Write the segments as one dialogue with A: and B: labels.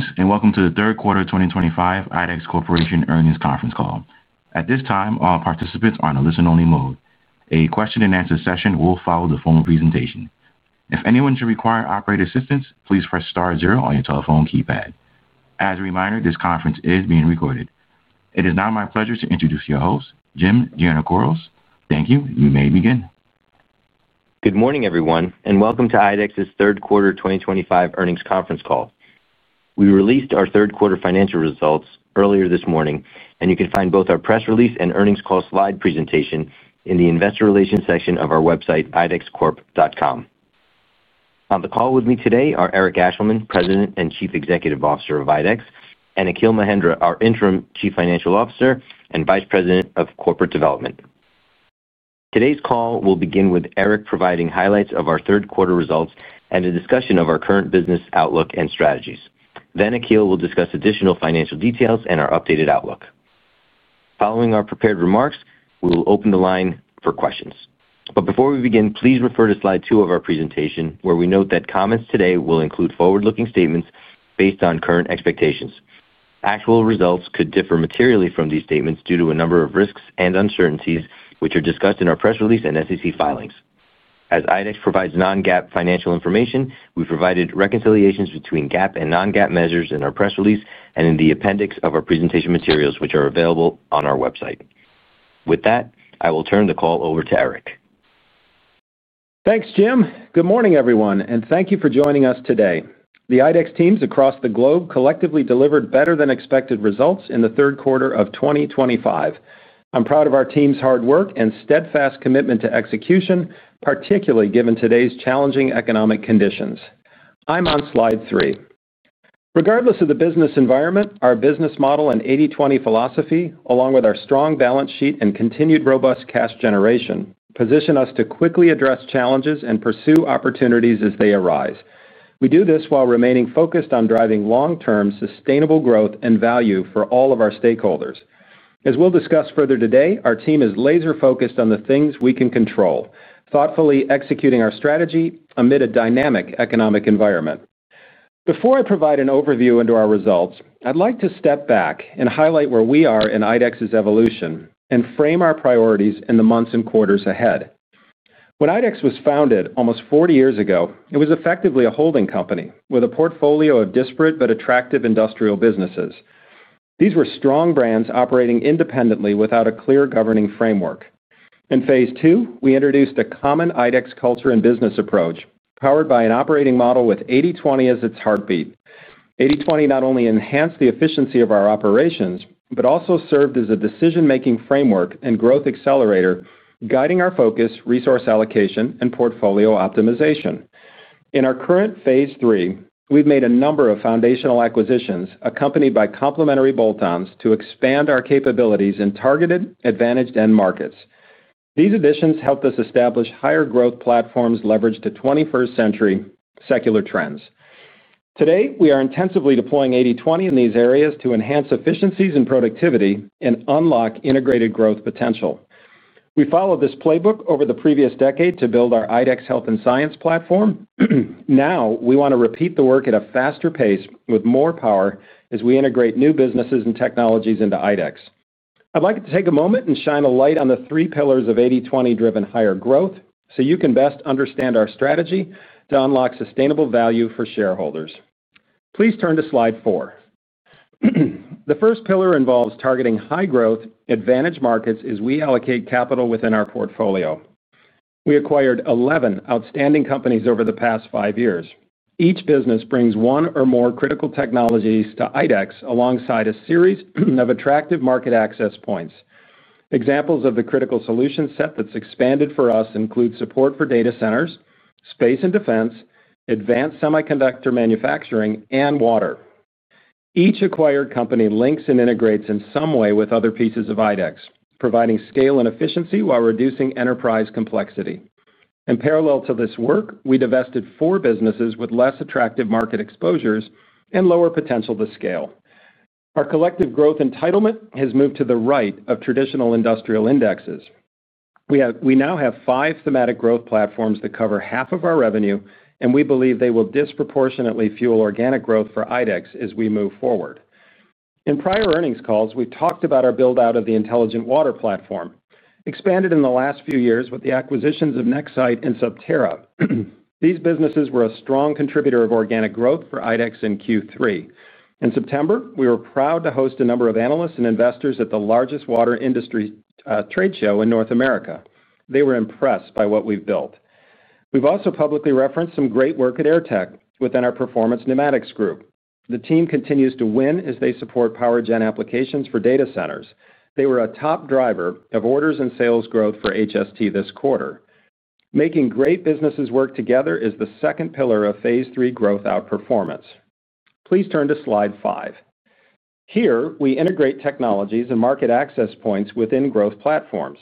A: Greetings and welcome to the third quarter. 2025 IDEX Corporation Earnings Conference Call. At this time, all participants are in a listen-only mode. A question and answer session will follow the formal presentation. If anyone should require operating assistance, please. Press Star zero on your telephone keypad. As a reminder, this conference is being recorded. It is now my pleasure to introduce your host, Jim Giannakouros, thank you. You may begin.
B: Good morning everyone and welcome to IDEX's Third Quarter 2025 Earnings Conference Call. We released our third quarter financial results earlier this morning and you can find both our press release and earnings call slide presentation in the Investor Relations section of our website idexcorp.com. On the call with me today are Eric Ashleman, President and Chief Executive Officer of IDEX, and Akhil Mahendra, our Interim Chief Financial Officer and Vice President of Corporate Development. Today's call will begin with Eric providing highlights of our third quarter results and a discussion of our current business outlook and strategies. Akhil will discuss additional financial details and our updated outlook. Following our prepared remarks, we will open the line for questions. Before we begin, please refer to slide two of our presentation where we note that comments today will include forward-looking statements based on current expectations. Actual results could differ materially from these statements due to a number of risks and uncertainties which are discussed in our press release and SEC filings. As IDEX provides non-GAAP financial information, we provided reconciliations between GAAP and non-GAAP measures in our press release and in the appendix of our presentation materials which are available on our website. With that, I will turn the call over to Eric.
C: Thanks, Jim. Good morning, everyone, and thank you for joining us today. The IDEX teams across the globe collectively delivered better than expected results in the third quarter of 2025. I'm proud of our team's hard work and steadfast commitment to execution, particularly given today's challenging economic conditions. I'm on Slide 3. Regardless of the business environment, our business model and 80/20 philosophy, along with our strong balance sheet and continued robust cash generation, position us to quickly address challenges and pursue opportunities as they arise. We do this while remaining focused on driving long-term sustainable growth and value for all of our stakeholders. As we'll discuss further today, our team is laser focused on the things we can control, thoughtfully executing our strategy amid a dynamic economic environment. Before I provide an overview into our results, I'd like to step back and highlight where we are in IDEX's evolution and frame our priorities in the months and quarters ahead. When IDEX was founded almost 40 years ago, it was effectively a holding company with a portfolio of disparate but attractive industrial businesses. These were strong brands operating independently without a clear governing framework. In phase two, we introduced a common IDEX culture and business approach powered by an operating model with 80/20 as its heartbeat. 80/20 not only enhanced the efficiency of our operations but also served as a decision-making framework and growth accelerator, guiding our focus, resource allocation, and portfolio optimization. In our current phase three, we've made a number of foundational acquisitions accompanied by complementary bolt-ons to expand our capabilities in targeted advantaged end markets. These additions helped us establish higher growth platforms leveraged to 21st century secular trends. Today, we are intensively deploying 80/20 in these areas to enhance efficiencies and productivity and unlock integrated growth potential. We followed this playbook over the previous decade to build our IDEX Health and Science platform. Now we want to repeat the work at a faster pace with more power as we integrate new businesses and technologies into IDEX. I'd like to take a moment and shine a light on the three pillars of 80/20-driven higher growth so you can best understand our strategy to unlock sustainable value for shareholders. Please turn to Slide 4. The first pillar involves targeting high growth advantaged markets as we allocate capital within our portfolio. We acquired 11 outstanding companies over the past five years. Each business brings one or more critical technologies to IDEX alongside a series of attractive market access points. Examples of the critical solution set that's expanded for us include support for data centers, space and defense, advanced semiconductor manufacturing, and water. Each acquired company links and integrates in some way with other pieces of IDEX, providing scale and efficiency while reducing enterprise complexity. In parallel to this work, we divested four businesses with less attractive market exposures and lower potential to scale. Our collective growth entitlement has moved to the right of traditional industrial indexes. We now have five thematic growth platforms that cover half of our revenue, and we believe they will disproportionately fuel organic growth for IDEX as we move forward. In prior earnings calls, we talked about our build out of the intelligent water platform, expanded in the last few years with the acquisitions of Nexsight and Subterra. These businesses were a strong contributor of organic growth for IDEX in Q3. In September, we were proud to host a number of analysts and investors at the largest water industry trade show in North America. They were impressed by what we've built. We've also publicly referenced some great work at Airtech within our performance pneumatics group. The team continues to win as they support power gen applications for data centers. They were a top driver of orders and sales growth for HST this quarter. Making great businesses work together is the second pillar of Phase Three growth outperformance. Please turn to slide five. Here we integrate technologies and market access points within growth platforms.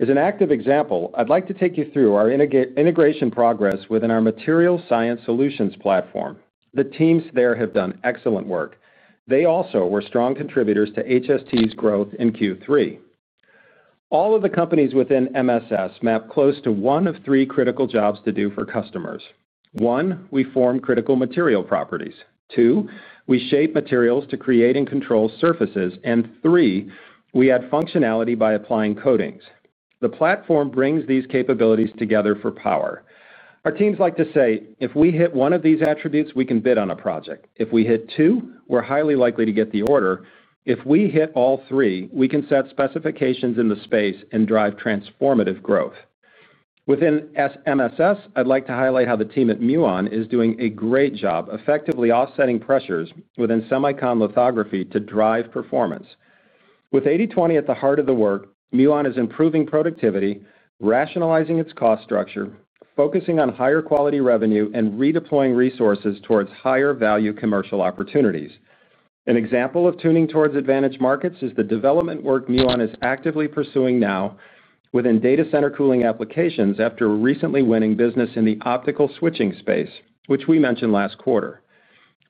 C: As an active example, I'd like to take you through our integration progress within our Material Science Solutions platform. The teams there have done excellent work. They also were strong contributors to HST's growth in Q3. All of the companies within MSS map close to one of three critical jobs to do for customers. One, we form critical material properties. Two, we shape materials to create and control surfaces. Three, we add functionality by applying coatings. The platform brings these capabilities together for power. Our teams like to say if we hit one of these attributes, we can bid on a project. If we hit two, we're highly likely to get the order. If we hit all three, we can set specifications in the space and drive transformative growth within MSS. I'd like to highlight how the team at Muon is doing a great job effectively offsetting pressures within semicon lithography to drive performance. With 80/20 at the heart of the work, Muon is improving productivity, rationalizing its cost structure, focusing on higher quality revenue, and redeploying resources towards higher value commercial opportunities. An example of tuning towards advantaged markets is the development work Muon is actively pursuing now within data center cooling applications. After recently winning business in the optical switching space, which we mentioned last quarter,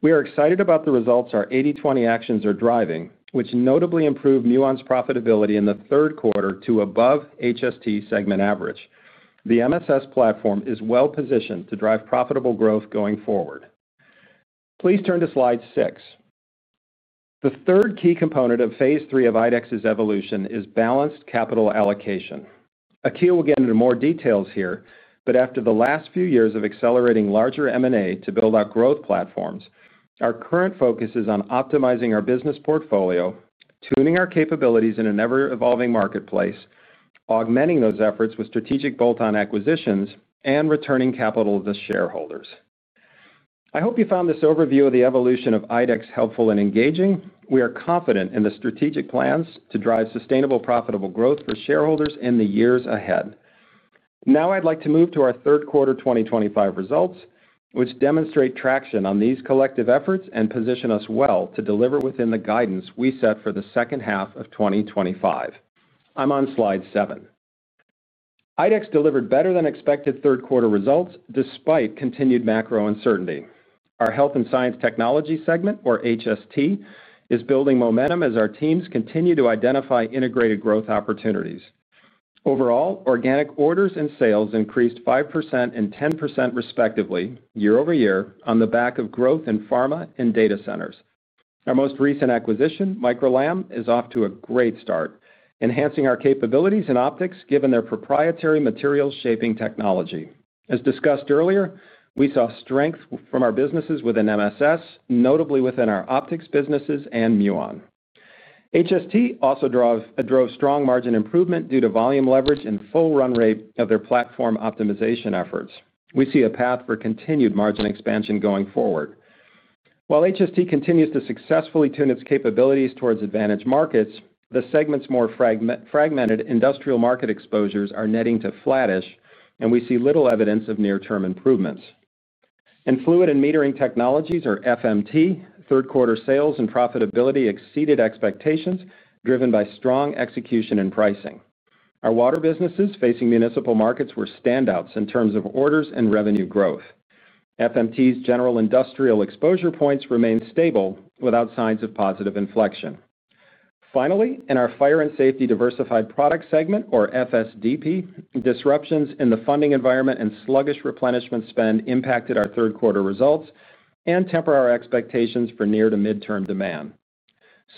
C: we are excited about the results our 80/20 actions are driving, which notably improved Muon's profitability in the third quarter to above HST segment average. The MSS platform is well positioned to drive profitable growth going forward. Please turn to slide 6. The third key component of phase 3 of IDEX's evolution is balanced capital allocation. Akhil Mahendra will get into more details here, but after the last few years of accelerating larger M&A to build our growth platforms, our current focus is on optimizing our business portfolio, tuning our capabilities in an ever-evolving marketplace, augmenting those efforts with strategic bolt-on acquisitions, and returning capital to shareholders. I hope you found this overview of the evolution of IDEX helpful and engaging. We are confident in the strategic plans to drive sustainable, profitable growth for shareholders in the years ahead. Now I'd like to move to our third quarter 2025 results, which demonstrate traction on these collective efforts and position us well to deliver within the guidance we set for the second half of 2025. I'm on slide 7. IDEX delivered better than expected third quarter results despite continued macro uncertainty. Our Health and Science Technology segment, or HST, is building momentum as our teams continue to identify integrated growth opportunities. Overall, organic orders and sales increased 5% and 10% respectively year over year on the back of growth in pharma and data centers. Our most recent acquisition, Microlam, is off to a great start enhancing our capabilities in optics given their proprietary material shaping technology. As discussed earlier, we saw strength from our businesses within MSS, notably within our optics businesses and Muon. HST also drove strong margin improvement due to volume leverage and full run rate of their platform optimization efforts. We see a path for continued margin expansion going forward. While HST continues to successfully tune its capabilities towards advantaged markets, the segment's more fragmented industrial market exposures are netting to flattish, and we see little evidence of near-term improvements in Fluid and Metering Technologies or FMT. Third quarter sales and profitability exceeded expectations, driven by strong execution and pricing. Our water businesses facing municipal markets were standouts in terms of orders and revenue growth. FMT's general industrial exposure points remained stable without signs of positive inflection. Finally, in our Fire & Safety/Diversified Products segment, or FSDP, disruptions in the funding environment and sluggish replenishment spend impacted our third quarter results and temper our expectations for near- to mid-term demand.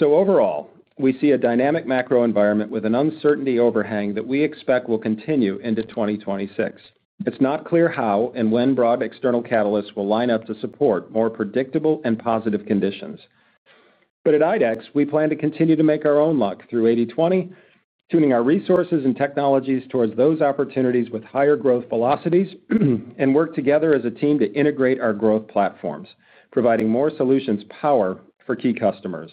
C: Overall, we see a dynamic macro environment with an uncertainty overhang that we expect will continue into 2026. It's not clear how and when broad external catalysts will line up to support more predictable and positive conditions, but at IDEX we plan to continue to make our own luck through 80/20, tuning our resources and technologies towards those opportunities with higher growth velocities and work together as a team to integrate our growth platforms, providing more solutions power for key customers.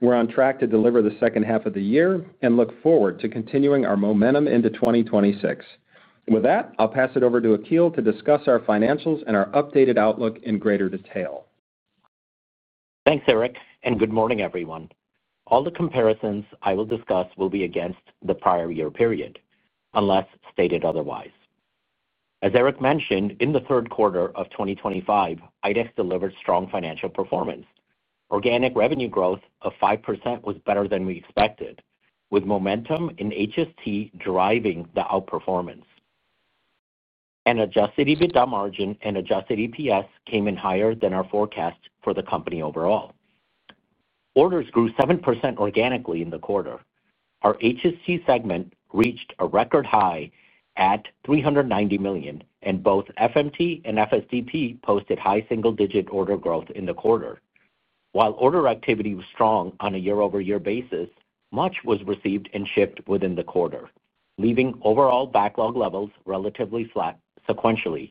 C: We're on track to deliver the second half of the year and look forward to continuing our momentum into 2026. With that, I'll pass it over to Akhil to discuss our financials and our updated outlook in greater detail.
D: Thanks Eric and good morning everyone. All the comparisons I will discuss will be against the prior year period unless stated otherwise. As Eric mentioned, in the third quarter of 2025 IDEX delivered strong financial performance. Organic revenue growth of 5% was better than we expected with momentum in HST driving the outperformance and adjusted EBITDA margin and adjusted EPS came in higher than our forecast for the company. Overall orders grew 7% organically in the quarter, our HST segment reached a record high at $390 million and both FMT and FSDP posted high single digit order growth in the quarter. While order activity was strong on a year over year basis, much was received and shipped within the quarter, leaving overall backlog levels relatively flat. Sequentially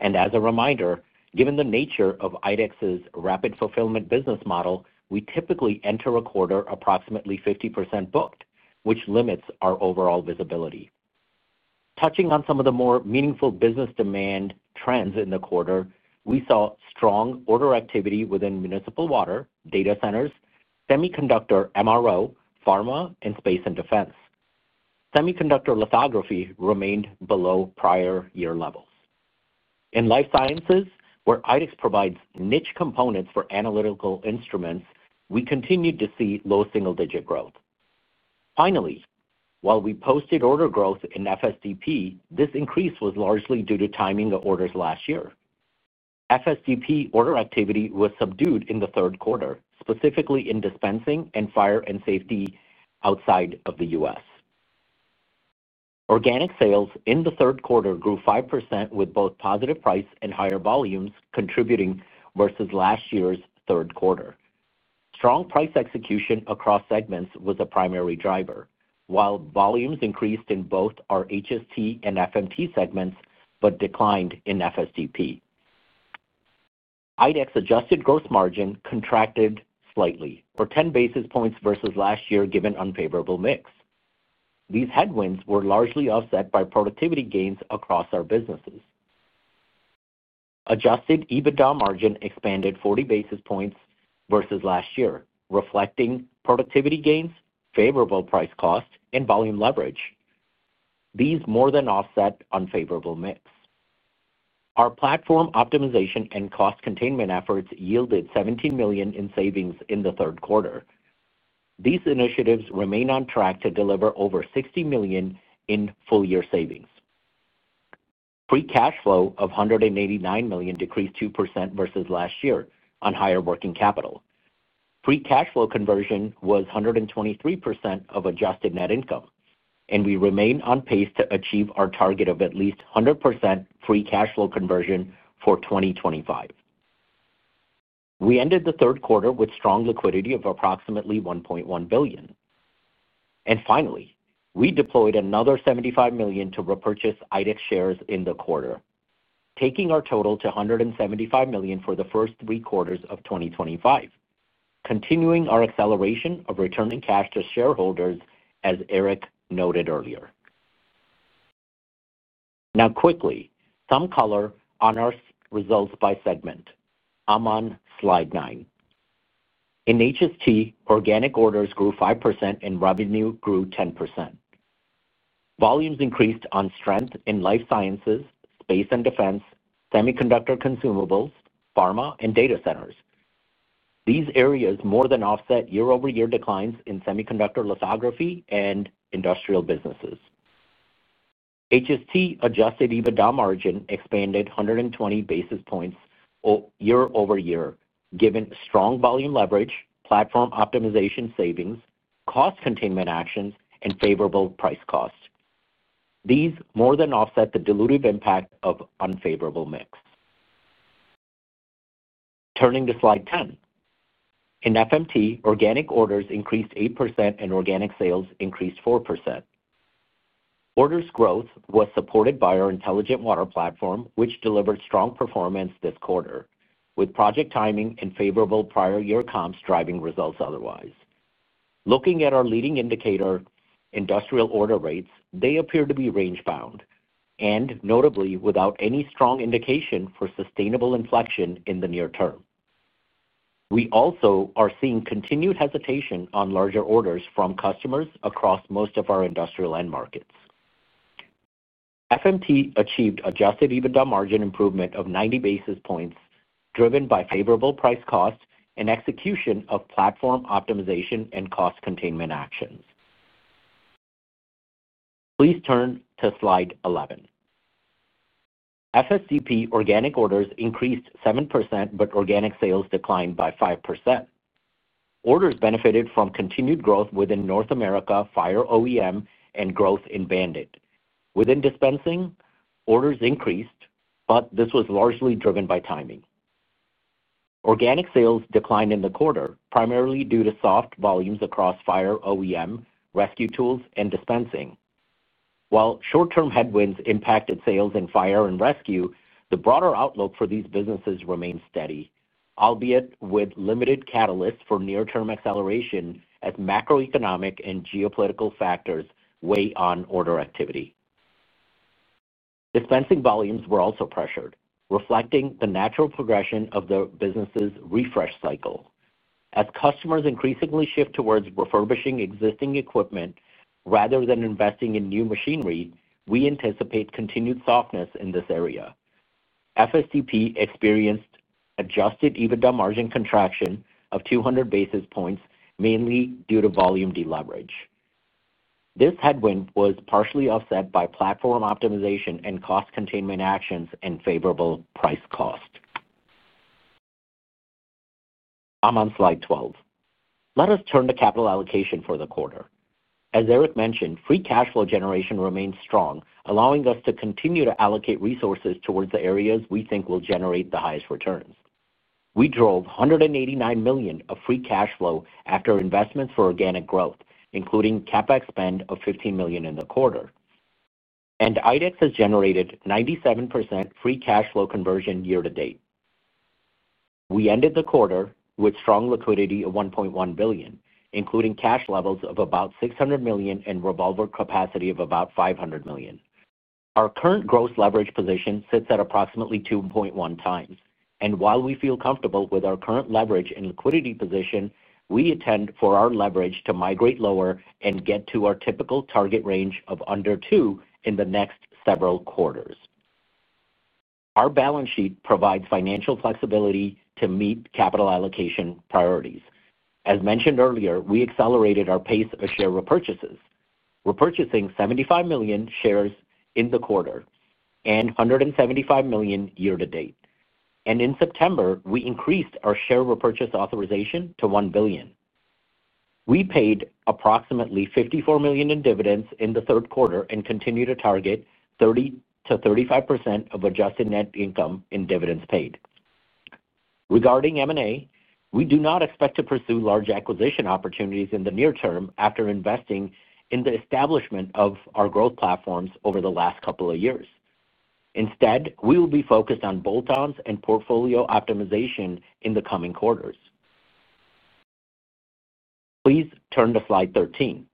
D: and as a reminder, given the nature of IDEX's rapid fulfillment business model, we typically enter a quarter approximately 50% booked, which limits our overall visibility. Touching on some of the more meaningful business demand trends in the quarter, we saw strong order activity within municipal water, data centers, semiconductor, MRO, pharma and space and defense. Semiconductor lithography remained below prior year levels. In life sciences, where IDEX provides niche components for analytical instruments, we continued to see low single digit growth. Finally, while we posted order growth in FSDP, this increase was largely due to timing of orders last year. FSDP order activity was subdued in the third quarter, specifically in dispensing and fire and safety. Outside of the U.S., organic sales in the third quarter grew 5% with both positive price and higher volumes contributing versus last year's third quarter. Strong price execution across segments was a primary driver while volumes increased in both our HST and FMT segments but declined in FSDP. IDEX adjusted gross margin contracted slightly, or 10 basis points versus last year, given unfavorable mix. These headwinds were largely offset by productivity gains across our businesses. Adjusted EBITDA margin expanded 40 basis points versus last year, reflecting productivity gains, favorable price cost and volume leverage. These more than offset unfavorable mix. Our platform optimization and cost containment efforts yielded $17 million in savings in the third quarter. These initiatives remain on track to deliver over $60 million in full year savings. Free cash flow of $189 million decreased 2% versus last year on higher working capital. Free cash flow conversion was 123% of adjusted net income and we remain on pace to achieve our target of at least 100% free cash flow conversion for 2025. We ended the third quarter with strong liquidity of approximately $1.1 billion, and finally we deployed another $75 million to repurchase IDEX shares in the quarter, taking our total to $175 million for the first three quarters of 2025, continuing our acceleration of returning cash to shareholders. As Eric noted earlier, now quickly some color on our results by segment. I'm on slide 9. In HST, organic orders grew 5% and revenue grew 10%. Volumes increased on strength in life sciences, space and defense, semiconductor, consumables, pharma, and data centers. These areas more than offset year-over-year declines in semiconductor, lithography, and industrial businesses. HST adjusted EBITDA margin expanded 120 basis points year-over-year given strong volume leverage, platform optimization savings, cost containment actions, and favorable price cost. These more than offset the dilutive impact of unfavorable mix. Turning to slide 10, in FMT, organic orders increased 8% and organic sales increased 4%. Orders growth was supported by our intelligent water platform, which delivered strong performance this quarter with project timing and favorable prior year comps driving results. Otherwise, looking at our leading indicator industrial order rates, they appear to be range bound and notably without any strong indication for sustainable inflection in the near term. We also are seeing continued hesitation on larger orders from customers across most of our industrial end markets. FMT achieved adjusted EBITDA margin improvement of 90 basis points driven by favorable price cost and execution of platform optimization and cost containment actions. Please turn to slide 11. FSDP organic orders increased 7% but organic sales declined by 5%. Orders benefited from continued growth within North America, Fire OEM, and growth in banded within dispensing orders increased, but this was largely driven by timing. Organic sales declined in the quarter primarily due to soft volumes across Fire OEM, rescue tools, and dispensing, while short-term headwinds impacted sales in fire and rescue. The broader outlook for these businesses remained steady, albeit with limited catalysts for near-term acceleration. As macroeconomic and geopolitical factors weigh on order activity, dispensing volumes were also pressured, reflecting the natural progression of the business refresh cycle as customers increasingly shift towards refurbishing existing equipment rather than investing in new machinery. We anticipate continued softness in this area. FSDP experienced adjusted EBITDA margin contraction of 200 basis points, mainly due to volume deleverage. This headwind was partially offset by platform optimization and cost containment actions and favorable price cost. I'm on slide 12. Let us turn to capital allocation for the quarter. As Eric mentioned, free cash flow generation remains strong, allowing us to continue to allocate resources towards the areas we think will generate the highest returns. We drove $189 million of free cash flow after investments for organic growth, including CapEx spend of $15 million in the quarter, and IDEX has generated 97% free cash flow conversion year to date. We ended the quarter with strong liquidity of $1.1 billion, including cash levels of about $600 million and revolver capacity of about $500 million. Our current gross leverage position sits at approximately 2.1 times, and while we feel comfortable with our current leverage and liquidity position, we intend for our leverage to migrate lower and get to our typical target range of under 2 in the next several quarters. Our balance sheet provides financial flexibility to meet capital allocation priorities. As mentioned earlier, we accelerated our pace of share repurchases, repurchasing $75 million shares in the quarter and $175 million year to date, and in September we increased our share repurchase authorization to $1 billion. We paid approximately $54 million in dividends in the third quarter and continue to target 30%-35% of adjusted net income in dividends paid. Regarding M&A, we do not expect to pursue large acquisition opportunities in the near term after investing in the establishment of our growth platforms over the last couple of years. Instead, we will be focused on bolt-ons and portfolio optimization in the coming quarters. Please turn to slide 13.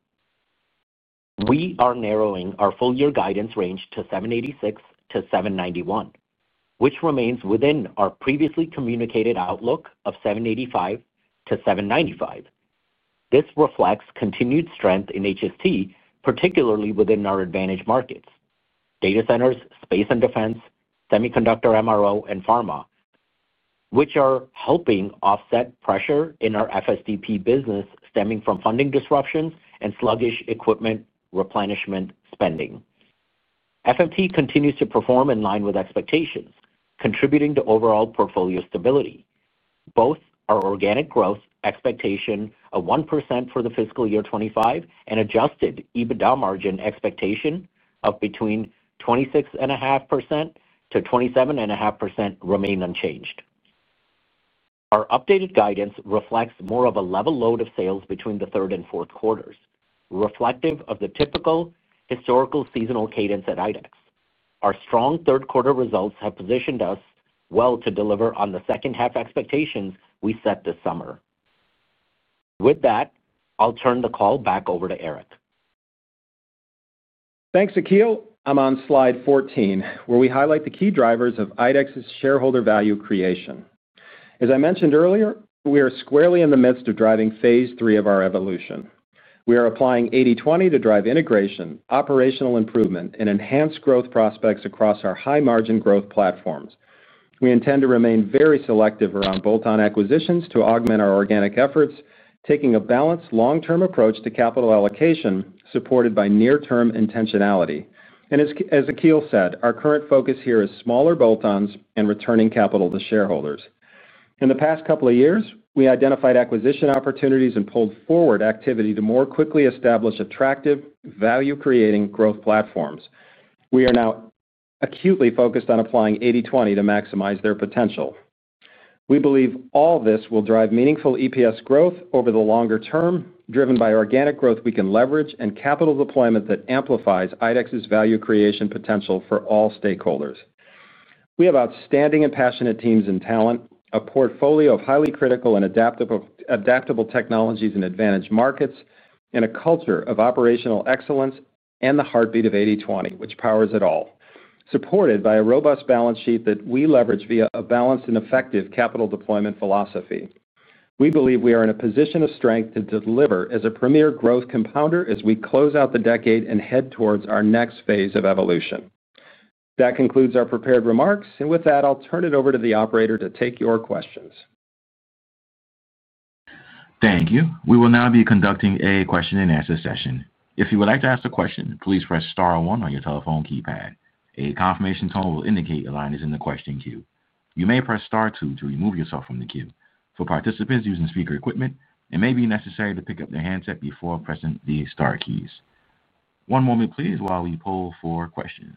D: We are narrowing our full year guidance range to $7.86-$7.91, which remains within our previously communicated outlook of $7.85-$7.95. This reflects continued strength in HST, particularly within our advantaged markets, data centers, Space and Defense, semiconductor, MRO, and pharma, which are helping offset pressure in our FSDP business stemming from funding disruptions and sluggish equipment replenishment spending. FMT continues to perform in line with expectations, contributing to overall portfolio stability. Both our organic growth expectation of 1% for the fiscal year 2025 and adjusted EBITDA margin expectation of between 26.5%-27.5% remain unchanged. Our updated guidance reflects more of a level load of sales between the third and fourth quarters, reflective of the typical historical seasonal cadence at IDEX. Our strong third quarter results have positioned us well to deliver on the second half expectations we set this summer. With that, I'll turn the call back over to Eric.
C: Thanks Akhil. I'm on slide 14 where we highlight the key drivers of IDEX's shareholder value creation. As I mentioned earlier, we are squarely in the midst of driving phase three of our evolution. We are applying 80/20 to drive integration, operational improvement, and enhance growth prospects across our high margin platforms. We intend to remain very selective around bolt-on acquisitions to augment our organic efforts, taking a balanced long term approach to capital allocation supported by near term intentionality. As Akhil said, our current focus here is smaller bolt-ons and returning capital to shareholders. In the past couple of years, we identified acquisition opportunities and pulled forward activity to more quickly establish attractive value-creating growth platforms. We are now acutely focused on applying 80/20 to maximize their potential. We believe all this will drive meaningful EPS growth over the longer term, driven by organic growth we can leverage and capital deployment that amplifies IDEX's value creation potential for all stakeholders. We have outstanding and passionate teams and talent, a portfolio of highly critical and adaptable technologies in advantaged markets, a culture of operational excellence, and the heartbeat of 80/20 which powers it, all supported by a robust balance sheet that we leverage via a balanced and effective capital deployment philosophy. We believe we are in a position of strength to deliver as a premier growth compounder as we close out the decade and head towards our next phase of evolution. That concludes our prepared remarks and with that I'll turn it over to the operator to take your questions.
A: Thank you. We will now be conducting a question and answer session. If you would like to ask a question. question, please press Star one on your telephone keypad. A confirmation tone will indicate your line. Is in the question queue. You may press Star 2 to remove yourself from the queue. For participants using speaker equipment, it may be necessary to pick up the handset. Before pressing the star keys. One moment, please. While we poll for questions.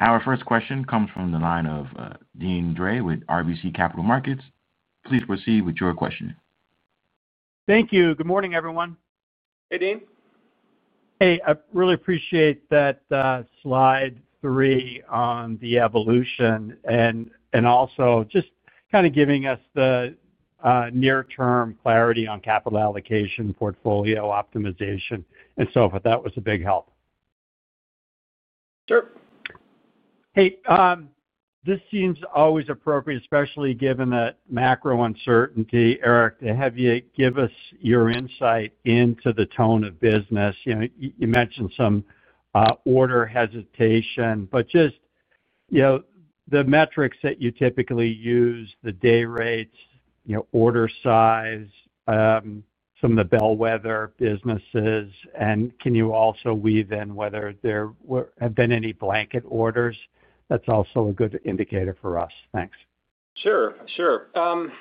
A: Our first. Question comes from the line of Deane Dray. Dray with RBC Capital Markets. Please proceed with your question.
E: Thank you. Good morning, everyone.
C: Hey, Deane.
E: Hey. I really appreciate that. Slide 3, on the evolution and also just kind of giving us the. Near term clarity on capital allocation, portfolio optimization, and so forth. That was a big help.
C: Sure.
E: Hey, this seems always appropriate, especially given that macro uncertainty, Eric, to have you give us your insight into the tone of business. You mentioned some order hesitation, but just. You know, the metrics that you typically use, the day rates, order size, some of the bellwether businesses. Can you also weave in whether. Have there been any blanket orders? That's also a good indicator for us. Thanks.
C: Sure. I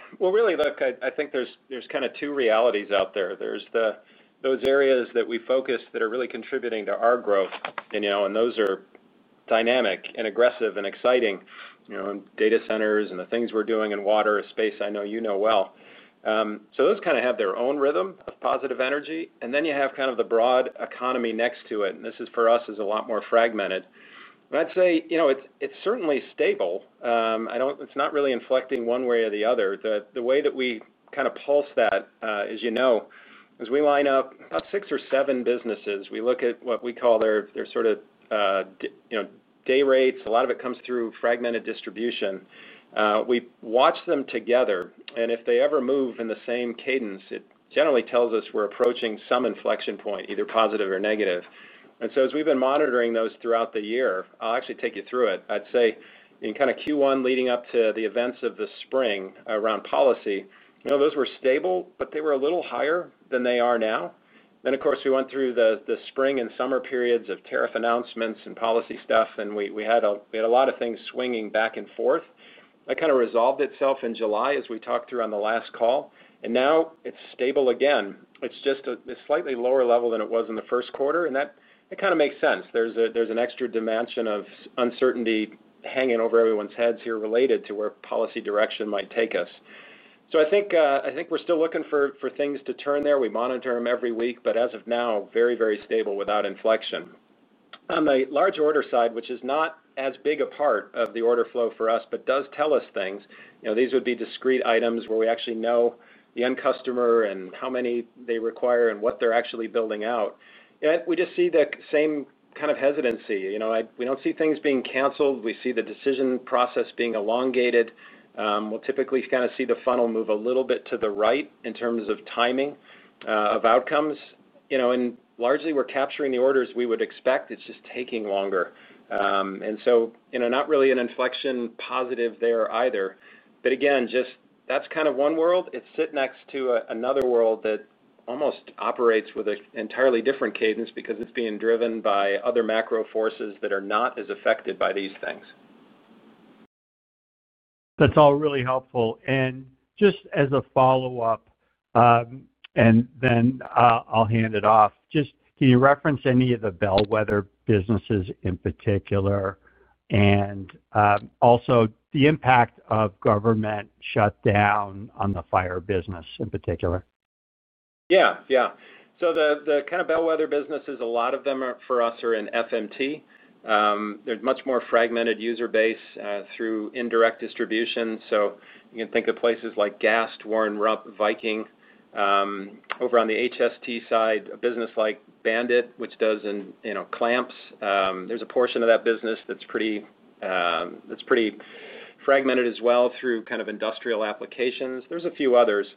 C: think there's kind of two realities out there. There are those areas that we focus on that are really contributing to our growth, and those are dynamic and aggressive and exciting—data centers and the things we're doing in water, a space I know you know well. Those kind of have their own rhythm of positive energy, and then you have kind of the broad economy next to it. For us, this is a lot more fragmented, and I'd say it's certainly stable. It's not really inflecting one way or the other. The way that we kind of pulse that is, as we line up about six or seven businesses, we look at what we call their sort of day rates. A lot of it comes through fragmented distribution. We watch them together, and if they ever move in the same cadence, it generally tells us we're approaching some inflection point, either positive or negative. As we've been monitoring those throughout the year, I'll actually take you through it. In Q1 leading up to the events of the spring around policy, those were stable, but they were a little higher than they are now. Of course, we went through the spring and summer periods of tariff announcements and policy stuff, and we had a lot of things swinging back and forth. That kind of resolved itself in July, as we talked through on the last call. Now it's stable again. It's just a slightly lower level than it was in the first quarter, and that kind of makes sense. There's an extra dimension of uncertainty hanging over everyone's heads here related to where policy direction might take us. I think we're still looking for things to turn there. We monitor them every week, but as of now, very, very stable without inflection. On the large order side, which is not as big a part of the order flow for us but does tell us things, these would be discrete items where we actually know the end customer and how many they require and what they're actually building out. We just see the same kind of hesitancy. We don't see things being canceled; we see the decision process being elongated. We'll typically see the funnel move a little bit to the right in terms of timing of outcomes, and largely we're capturing the orders we would expect. It's just taking longer, and not really an inflection positive there either. That's kind of one world. It sits next to another world that almost operates with an entirely different cadence because it's being driven by other macro forces that are not as affected by these things.
E: That's all really helpful, and just as a follow-up, then I'll hand. Can you reference any? Of the bellwether businesses in particular. Also, the impact of government shutdown on. The fire business in particular?
C: Yeah, yeah. The kind of bellwether businesses, a lot of them for us are in FMT. There's a much more fragmented user base through indirect distribution. You can think of places like Gast, Warren Rupp, Viking. Over on the HST side, a business like Bandit, which does clamps, there's a portion of that business that's pretty fragmented as well through industrial applications. There are a few others,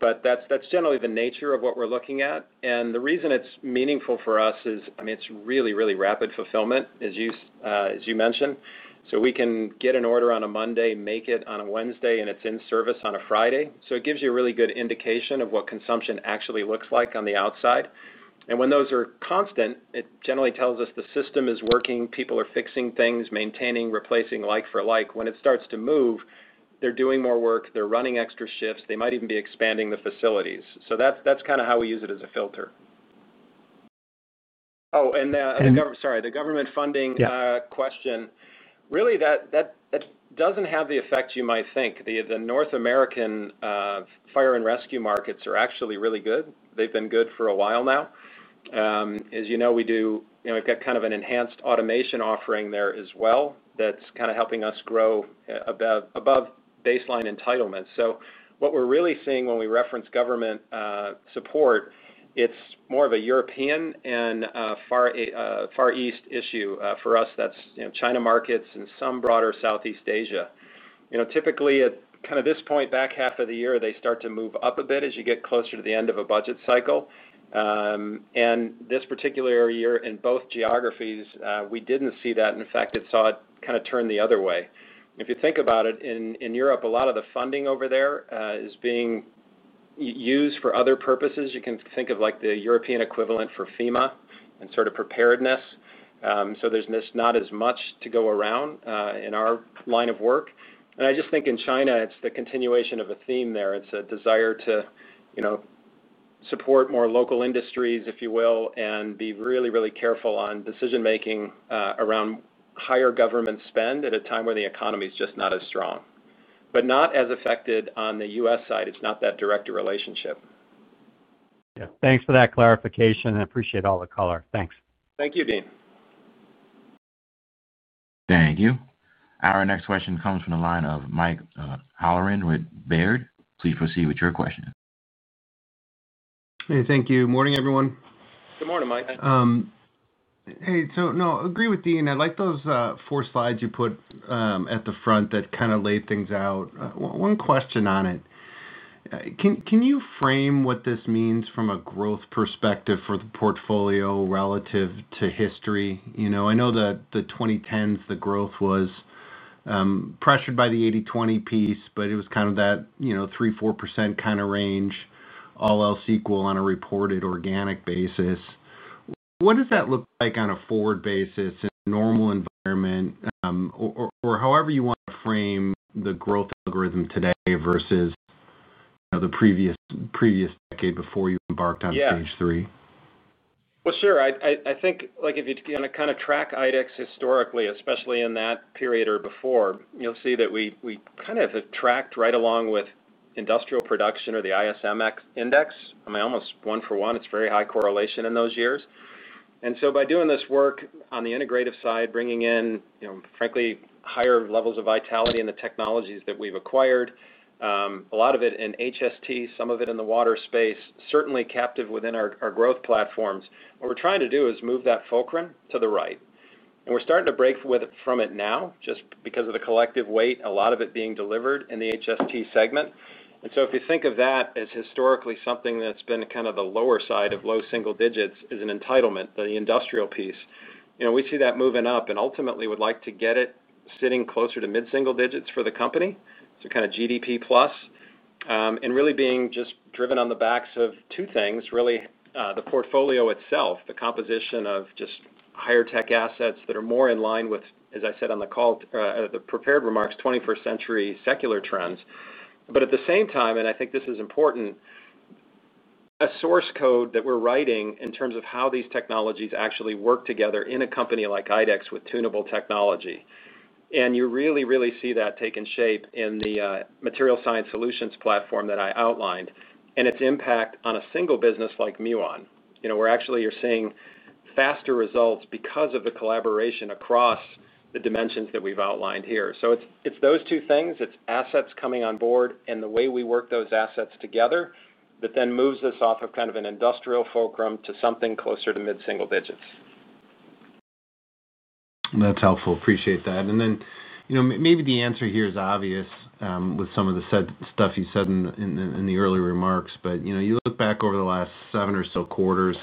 C: but that's generally the nature of what we're looking at. The reason it's meaningful for us is it's really, really rapid fulfillment, as you mentioned. We can get an order on a Monday, make it on a Wednesday, and it's in service on a Friday. It gives you a really good indication of what consumption actually looks like on the outside. When those are constant, it generally tells us the system is working, people are fixing things, maintaining, replacing, like for like. When it starts to move, they're doing more work, they're running extra shifts, they might even be expanding the facilities. That's kind of how we use it as a filter. Oh, and the government funding question, really, that doesn't have the effect you might think. The North American fire and rescue markets are actually really good. They've been good for a while now, as you know. We do. We've got kind of an enhanced automation offering there as well that's helping us grow above baseline entitlements. What we're really seeing when we reference government support, it's more of a European and Far East issue for us. That's China markets and some broader Southeast Asia. Typically at this point, back half of the year, they start to move up a bit as you get closer to the end of a budget cycle. This particular year in both geographies, we didn't see that. In fact, it saw it kind of turn the other way. If you think about it, in Europe, a lot of the funding over there is being used for other purposes. You can think of the European equivalent for FEMA and sort of preparedness. There's not as much to go around in our line of work. I just think in China, it's the continuation of a theme there. It's a desire to support more local industries, if you will, and be really, really careful on decision making around higher government spend at a time when the economy is just not as strong, but not as affected on the U.S. side. It's not that direct a relationship.
E: Thanks for that clarification. I appreciate all the color. Thanks.
C: Thank you, Deane.
A: Thank you. Our next question comes from the line of Michael Halloran with Baird. Please proceed with your question.
F: Thank you. Morning, everyone.
C: Good morning, Mike.
F: Hey. Agree with Deane. I like those four slides you put at the front that kind of laid things out. One question on it. Can you frame what this means from a growth perspective for the portfolio relative to history? I know that the 2010s, the growth was pressured by the 80/20 piece, but it was kind of that 3%, 4% kind of range. All else equal on a reported organic basis, what does that look like on a forward basis in a normal environment or however you want to frame the growth algorithm today versus the previous decade before you embarked on stage three?
C: Sure, I think if you kind of track IDEX historically, especially in that period or before, you'll see that we kind of tracked right along with industrial production or the ISM X index, almost one for one, it's very high correlation in those years. By doing this work on the integrative side, bringing in frankly higher levels of vitality in the technologies that we've acquired, a lot of it in HST, some of it in the water space, certainly captive within our growth platforms, what we're trying to do is move that fulcrum to the right and we're starting to break from it now just because of the collective weight, a lot of it being delivered in the HST segment. If you think of that as historically something that's been kind of the lower side of low single digits as an entitlement, the industrial piece, we see that moving up and ultimately would like to get it sitting closer to mid single digits for the company. Kind of GDP plus and really being just driven on the backs of two things really: the portfolio itself, the composition of just higher tech assets that are more in line with, as I said on the call, the prepared remarks, 21st century secular trends. At the same time, and I think this is important, a source code that we're writing in terms of how these technologies actually work together in a company like IDEX with tunable technology. You really, really see that taking shape in the Material Science Solutions platform that I outlined and its impact on a single business like Muon. We're actually seeing faster results because of the collaboration across the dimensions that we've outlined here. It's those two things, it's assets coming on board and the way we work those assets together, that then moves us off of kind of an industrial fulcrum to something closer to mid single digits. That's helpful, appreciate that. Maybe the answer here is obvious with some of the stuff you said in the early remarks, but you look back over the last seven or so quarters,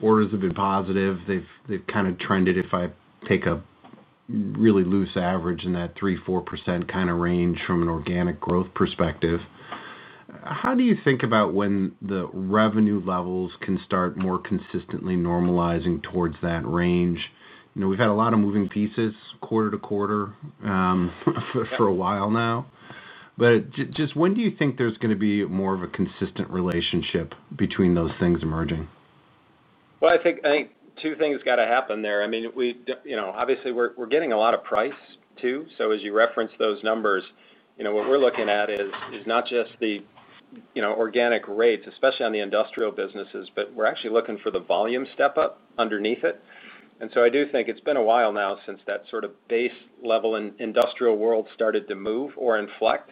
C: orders have been positive, they've kind of trended. If I take a really loose average in that 3, 4% kind of range from an organic growth perspective, how do you think about when the revenue levels can start more consistently normalizing towards that range? We've had a lot of moving pieces quarter to quarter for a while now. Just when do you think there's going to be more of a consistent relationship between those things emerging? I think two things have to happen there. Obviously we're getting a lot of price too. As you reference those numbers, what we're looking at is not just the organic rates, especially on the industrial businesses, but we're actually looking for the volume step up underneath it. I do think it's been a while now since that sort of base level industrial world started to move or inflect.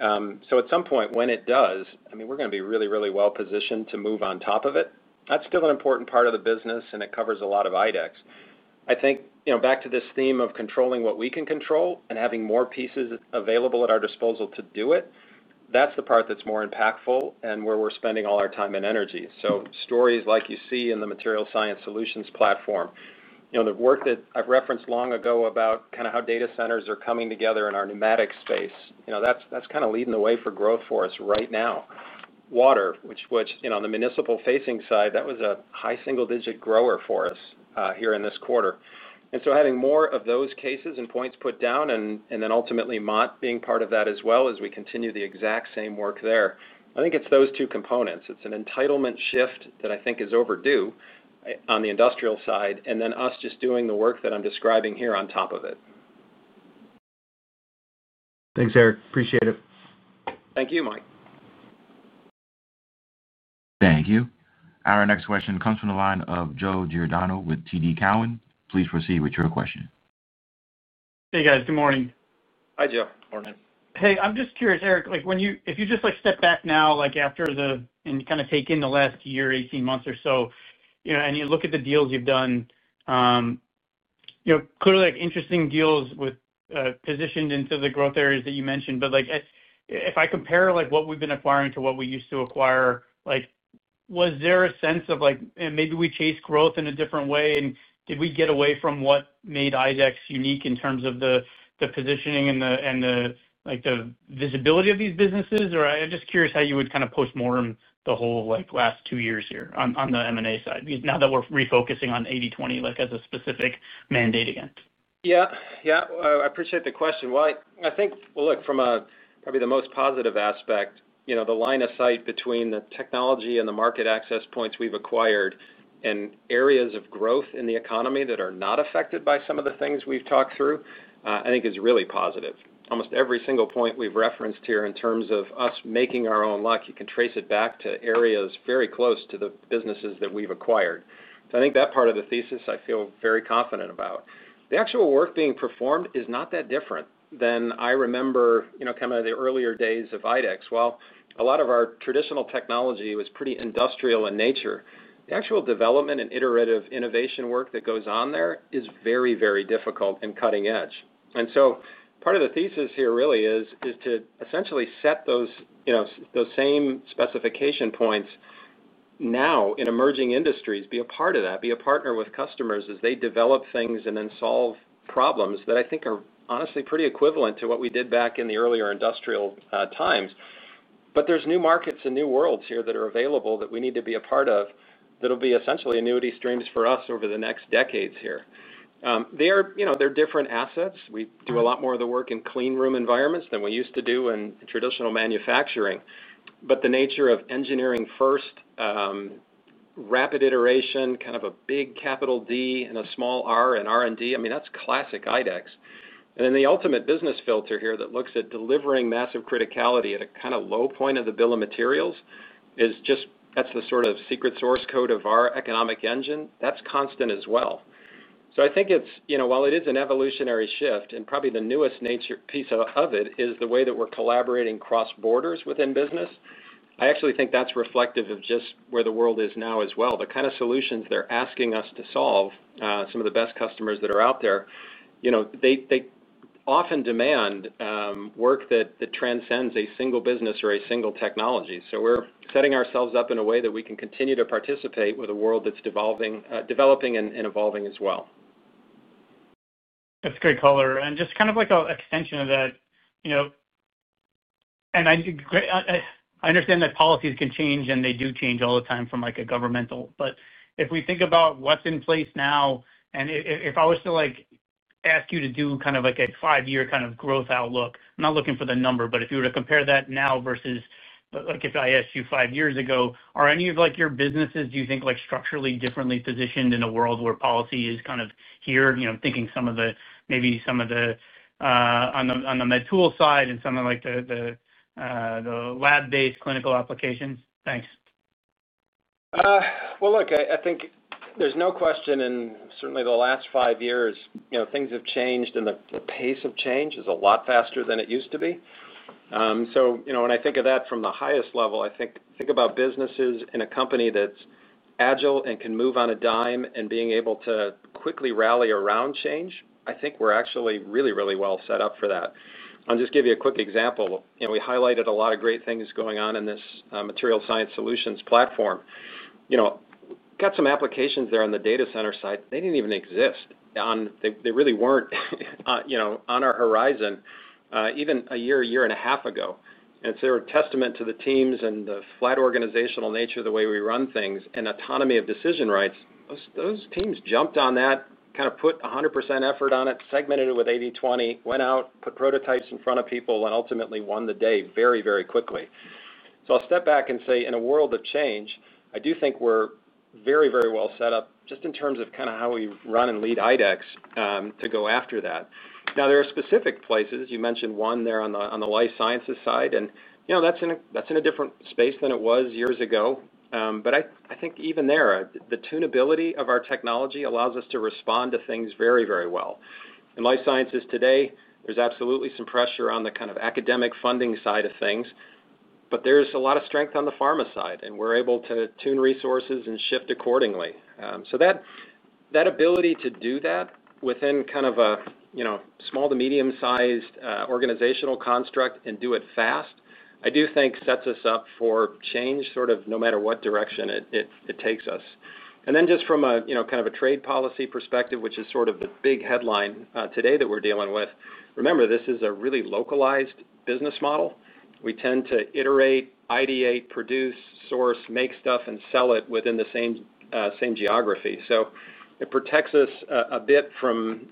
C: At some point when it does, we're going to be really, really well positioned to move on top of it. That's still an important part of the business and it covers a lot of IDEX. I think back to this theme of controlling what we can control and having more pieces available at our disposal to do it. That's the part that's more impactful and where we're spending all our time and energy. Stories like you see in the Material Science Solutions platform, the work that I've referenced long ago about how data centers are coming together in our pneumatic space, that's kind of leading the way for growth for us right now. Water, which on the municipal facing side, that was a high single digit grower for us here in this quarter. Having more of those cases and points put down and then ultimately Mott being part of that as well as we continue the existing exact same work there, I think it's those two components. It's an entitlement shift that I think is overdue on the industrial side and then us just doing the work that I'm describing here on top of it. Thanks, Eric. Appreciate it. Thank you, Mike.
A: Thank you. Our next question comes from the line of Joe Giordano with TD Cowen. Please proceed with your question.
G: Hey guys, good morning.
C: Hi Joe. Morning.
G: Hey, I'm just curious, Eric, like when. If you just like step back. Now, after the, and kind of take in the last year, 18 months or so, you know, you look at the deals you've done, clearly interesting deals positioned into the growth areas that you mentioned. If I compare what. We've been acquiring to what we used. To acquire, was there a sense of maybe we chase growth in a different way and did we get away from what made IDEX unique in terms of the positioning and the visibility of these businesses? I'm just curious how you would kind of post mortem the whole last. Two years here on the M&A side, now that we're refocusing on. 80/20 as a specific mandate again.
C: Yeah, yeah, I appreciate the question. I think, look, from probably the most positive aspect, the line of sight between the technology and the market access points we've acquired and areas of growth in the economy that are not affected by some of the things we've talked through, I think is really positive. Almost every single point we've referenced here in terms of us making our own luck, you can trace it back to areas very close to the businesses that we've acquired. I think that part of the thesis I feel very confident about. The actual work being performed is not that different than I remember, kind of the earlier days of IDEX. A lot of our traditional technology was pretty industrial in nature. The actual development and iterative innovation work that goes on there is very, very difficult and cutting edge. Part of the thesis here really is to essentially set those same specification points now in emerging industries, be a part of that, be a partner with customers as they develop things, and then solve problems that I think are honestly pretty equivalent to what we did back in the earlier industrial times. There are new markets and new worlds here that are available that we need to be a part of that will be essentially annuity streams for us over the next decades. Here they are, you know, they're different assets. We do a lot more of the work in clean room environments than we used to do in traditional manufacturing. The nature of engineering, first rapid iteration, kind of a big capital D and a small R in R&D, I mean that's classic IDEX. The ultimate business filter here that looks at delivering massive criticality at a kind of low point of the bill of materials is just, that's the sort of secret source code of our economic engine that's constant as well. I think it's, you know, while it is an evolutionary shift and probably the newest nature piece of it is the way that we're collaborating cross borders within business. I actually think that's reflective of just where the world is now as well. The kind of solutions they're asking us to solve, some of the best customers that are out there, you know, they often demand work that transcends a single business or a single technology. We're setting ourselves up in a way that we can continue to participate with a world that's developing and evolving as well. That's great color and just kind of like an extension of that, you know.
G: I understand that policies can change, and they do change all the time from a governmental perspective. If we think about what's in. Place now, and if I was to ask you to do kind of like a five year kind of growth. Outlook, I'm not looking for the number. If you were to compare that now versus like if I asked you. Five years ago, are any of like. Do you think your businesses are structurally differently positioned in a world where policy is kind of here, you know, thinking some of the, maybe some of the. On the med tool side and some. Of like the lab-based clinical applications. Thanks.
C: I think there's no question in certainly the last five years things have changed and the pace of change is a lot faster than it used to be. When I think of that from the highest level, I think about businesses in a company that's agile and can move on a dime and being able to quickly rally around change. I think we're actually really, really well set up for that. I'll just give you a quick example. We highlighted a lot of great things going on in this Material Science Solutions platform. Got some applications there on the data center side, they didn't even exist. They really weren't on our horizon even a year, year and a half ago. They were testament to the teams and the flat organizational nature of the way we run things and autonomy of decision rights. Those teams jumped on that, kind of put 100% effort on it, segmented it with 80/20, went out, put prototypes in front of people and ultimately won the day very, very quickly. I'll step back and say in a world of change, I do think we're very, very well set up just in terms of kind of how we run and lead IDEX to go after that. There are specific places you mentioned one there on the life sciences side and you know that's in a different space than it was years ago. I think even there the tunability of our technology allows us to respond to things very, very well. In life sciences today there's absolutely some pressure on the kind of academic funding side of things, but there's a lot of strength on the pharma side and we're able to tune resources and shift accordingly. That ability to do that within kind of a small to medium sized organizational construct and do it fast I do think sets us up for change sort of no matter what direction it takes us and then just from kind of a trade policy perspective, which is sort of the big headline today that we're dealing with. Remember, this is a really localized business model. We tend to iterate, ideate, produce, source, make stuff and sell it within the same geography. It protects us a bit from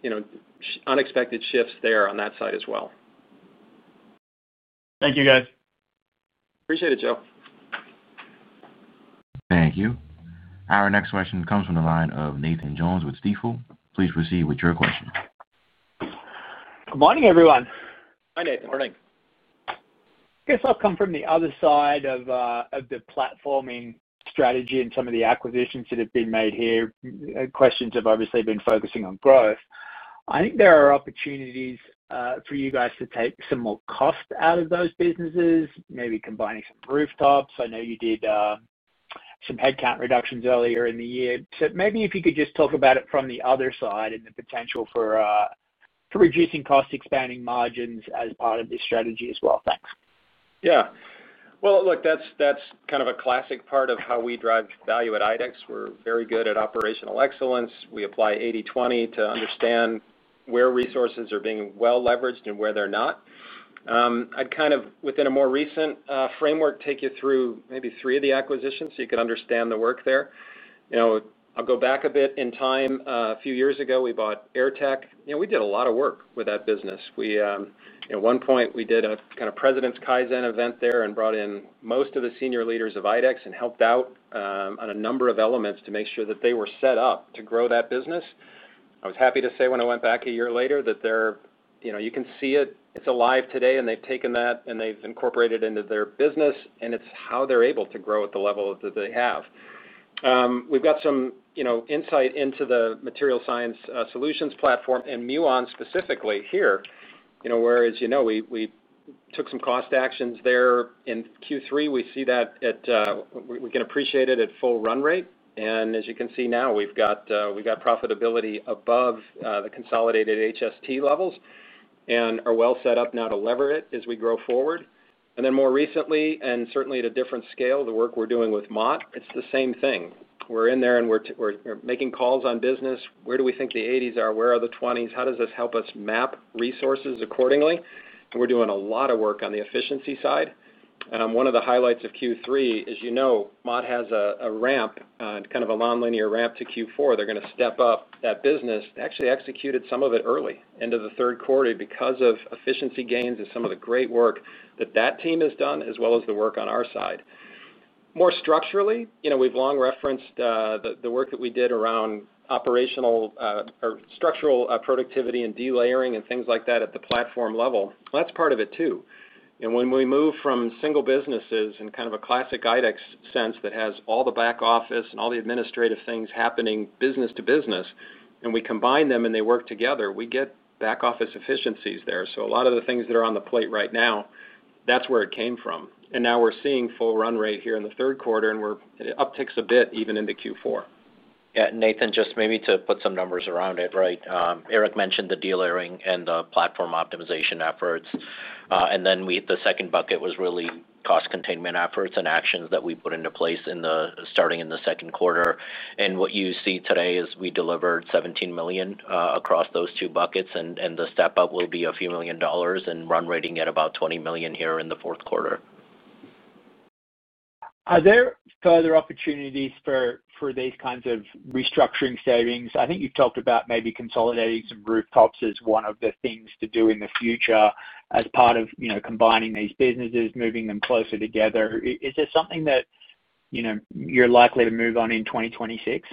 C: unexpected shifts there on that side as well.
G: Thank you, guys.
C: Appreciate it, Joe.
A: Thank you. Our next question comes from the line of Nathan Jones with Stifel. Please proceed with your question.
H: Good morning, everyone.
C: Hi, Nathan. Morning.
H: Guess I'll come from the other side. Of the platforming strategy and some of the. The acquisitions that have been made here. Questions have obviously been focusing on growth. I think there are opportunities for you guys to take some more cost out of those businesses, maybe combining some rooftops. I know you did some headcount reductions. Earlier in the year, maybe if. You could just talk about it from the other side and the potential for reducing cost, expanding margins as part of this strategy as well. Thanks.
C: Yeah, that's kind of a classic part of how we drive value at IDEX. We're very good at operational excellence. We apply 80/20 to understand where resources are being well leveraged and where they're not. I'd, within a more recent framework, take you through maybe three of the acquisitions so you can understand the work there. I'll go back a bit in time. A few years ago we bought Airtech. We did a lot of work with that business. At one point we did a kind of President's Kaizen event there and brought in most of the senior leaders of IDEX and helped out on a number of elements to make sure that they were set up to grow that business. I was happy to say when I went back a year later that you can see it, it's alive today. They've taken that and they've incorporated it into their business and it's how they're able to grow at the level that they have. We've got some insight into the Material Science Solutions platform and Muon specifically here where, as you know, we took some cost actions there in Q3. We see that we can appreciate it at full run rate. As you can see now we've got profitability above the consolidated HST levels and are well set up now to lever it as we grow forward. More recently, and certainly at a different scale, the work we're doing with Mott, it's the same thing. We're in there and we're making calls on business. Where do we think the 80s are? Where are the 20s? How does this help us map resources accordingly? We're doing a lot of work on the efficiency side. One of the highlights of Q3, as you know, Mott has a ramp, kind of a nonlinear ramp to Q4. They're going to step up that business, actually executed some of it early into the third quarter because of efficiency gains and some of the great work that that team has done, as well as the work on our side, more structurally. We've long referenced the work that we did around operational structural productivity and delayering and things like that at the platform level. That's part of it too. When we move from single businesses in kind of a classic IDEX sense that has all the back office and all the administrative things happening business to business, and we combine them and they work together, we get back office efficiencies there. A lot of the things that are on the plate right now, that's where it came from. Now we're seeing full run rate here in the third quarter and it upticks a bit even into Q4.
D: Nathan, just maybe to put some numbers around it. Right. Eric mentioned the delayering and the platform optimization efforts. The second bucket was really cost containment efforts and actions that we put into place starting in the second quarter. What you see today is we delivered $17 million across those two buckets, and the step up will be a few million dollars and run rating at about $20 million here in the fourth quarter.
H: Are there further opportunities for these kinds of restructuring savings? I think you've talked about maybe consolidating. Some rooftops as one of the things to do in the future as part. Of combining these businesses, moving them closer together. Is this something that you're likely to move on in 2026?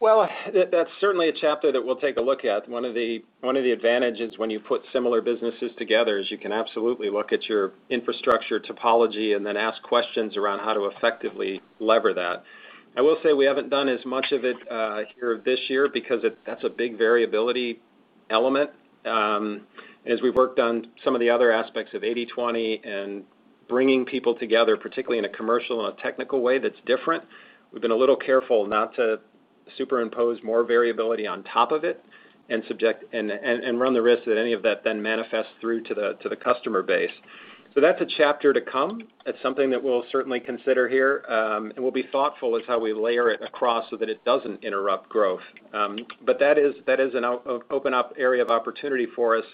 C: That's certainly a chapter that we'll take a look at. One of the advantages when you put similar businesses together is you can absolutely look at your infrastructure topology and then ask questions around how to effectively lever that. I will say we haven't done as much of it here this year because that's a big variability element as we've worked on some of the other aspects of 80/20 and bringing people together, particularly in a commercial and a technical way, that's different. We've been a little careful not to superimpose more variability on top of it and run the risk that any of that then manifests through to the customer base. That's a chapter to come. It's something that we'll certainly consider here and we'll be thoughtful as to how we layer it across so that it doesn't interrupt growth. That is an open area of opportunity for us.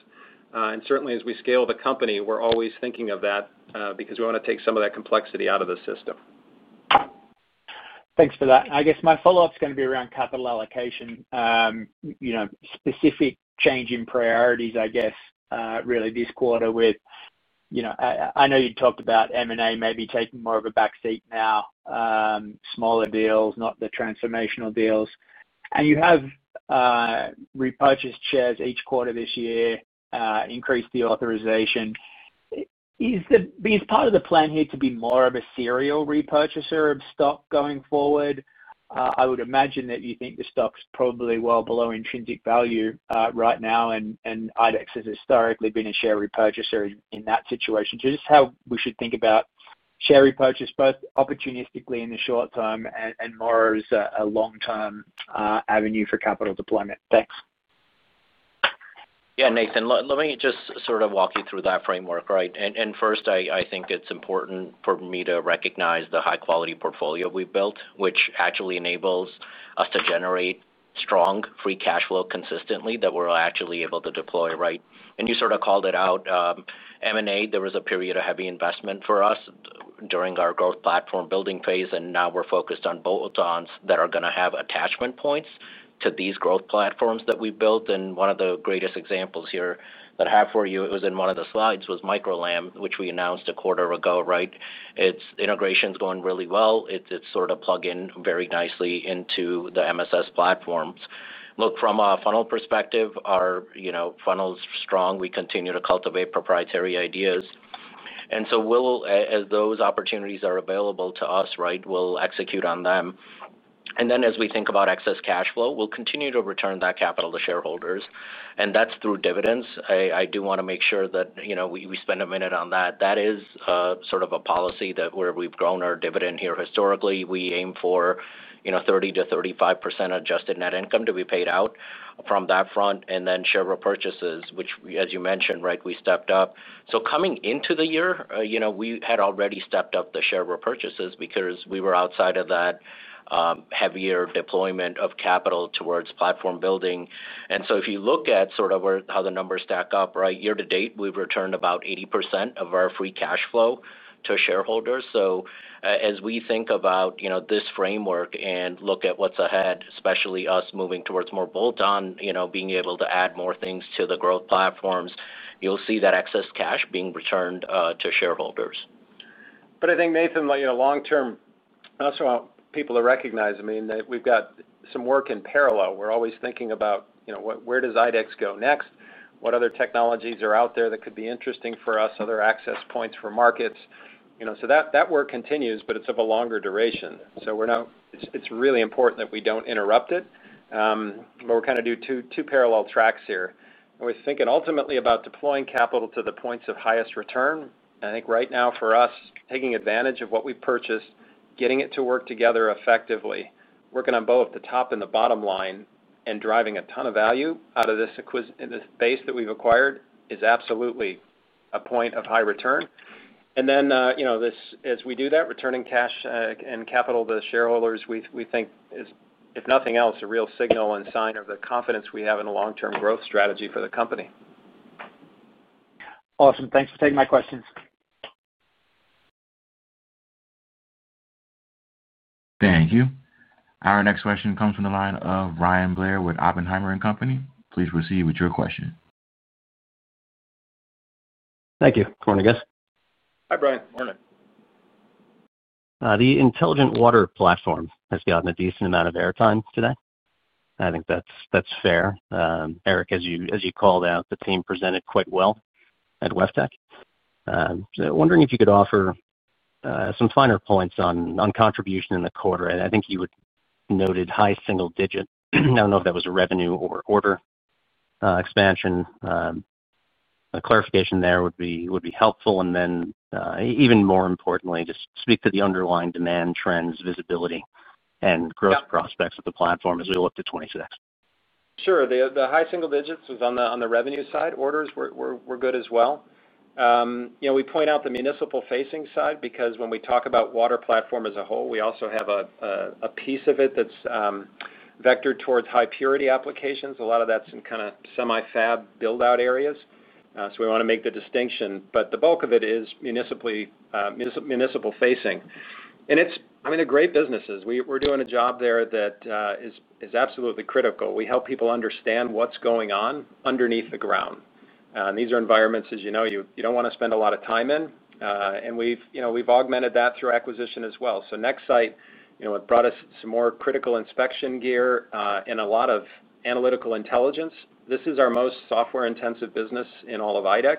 C: Certainly as we scale the company, we're always thinking of that because we want to take some of that complexity out of the system.
H: Thanks for that. I guess my follow up is going to be around capital allocation, specifically change in priorities, I guess really this quarter with, you know, I know you talked about M&A maybe taking more. Of a backseat now. Smaller deals, not the transformational deals. You have repurchased shares each quarter this year. Increase the authorization. Is part of the plan here to be more of a Serial repurchaser of stock going forward. I would imagine that you think the stock's probably well below intrinsic value right now. IDEX is a stock historically been a share repurchaser. In that situation, just how we should.
A: Think about share repurchase both opportunistically. The short term and more as a long term avenue for capital deployment. Thanks.
D: Yeah. Nathan, let me just sort of walk you through that framework. Right. First, I think it's important for me to recognize the high quality portfolio we built which actually enables us to generate strong free cash flow consistently that we're actually able to deploy. Right. You sort of called it out, M&A. There was a period of heavy investment for us during our growth platform building phase. Now we're focused on bolt-ons that are going to have attachment points to these growth platforms that we built. One of the greatest examples here that I have for you, it was in one of the slides, was Microlam which we announced a quarter ago. Right. Its integration is going really well. It's that sort of plug in very nicely into the MSS platforms. Look, from a funnel perspective, our funnel's strong. We continue to cultivate proprietary ideas. As those opportunities are available to us, we'll execute on them. As we think about excess cash flow, we'll continue to return that capital to shareholders and that's through dividends. I do want to make sure that you know we spend a minute on that. That is sort of a policy where we've grown our dividend here historically. We aim for, you know, 30% to 35% adjusted net income to be paid out from that front. Then share repurchases, which as you mentioned, right, we stepped up. Coming into the year, you know, we had already stepped up the share repurchases because we were outside of that heavier deployment of capital towards platform building. If you look at sort of how the numbers stack up, right, year to date we've returned about 80% of our free cash flow to shareholders. As we think about this framework and look at what's ahead, especially us moving towards more bolt-on, being able to add more things to the growth platforms, you'll see that excess cash being returned to shareholders.
C: I think, Nathan, long term people recognize that we've got some work in parallel. We're always thinking about where does IDEX go next, what other technologies are out there that could be interesting for us, other access points for markets. That work continues, but it's of a longer duration. It's really important that we don't interrupt it. We're kind of doing two parallel tracks here. We're thinking ultimately about deploying capital to the points of highest return. I think right now for us, taking advantage of what we purchased, getting it to work together effectively, working on both the top and the bottom line, and driving a ton of value out of this base that we've acquired is absolutely a point of high return. As we do that, returning cash and capital to shareholders, we think is, if nothing else, a real signal and sign of the confidence we have in a long term growth strategy for the company.
H: Awesome. Thanks for taking my questions.
A: Thank you. Our next question comes from the line of Bryan Blair with Oppenheimer. Please proceed with your question.
I: Thank you. Morning, guys.
C: Hi Brian. Morning.
I: The intelligent water platform has gotten a decent amount of airtime today. I think that's fair. Eric, as you called out, the team presented quite well at WEFTEC. Wondering if you could offer some finer points on contribution in the quarter. I think you noted high single digit. I don't know if that was revenue or order expansion. A clarification there would be helpful. Even more importantly, just speak to the underlying demand trends, visibility, and growth prospects of the platform. As we look to 2026,
C: sure the. High single digits was on the revenue side. Orders were good as well. We point out the municipal facing side because when we talk about water platform as a whole, we also have a piece of it that's vectored towards high purity applications. A lot of that's in kind of semi fab build out areas. We want to make the distinction, but the bulk of it is municipal facing and it's, I mean they're great businesses. We're doing a job there that is absolutely critical. We help people understand what's going on underneath the ground. These are environments, as you know, you don't want to spend a lot of time in. We've augmented that through acquisition as well. Nexsight brought us some more critical inspection gear and a lot of analytical intelligence. This is our most software intensive business in all of IDEX.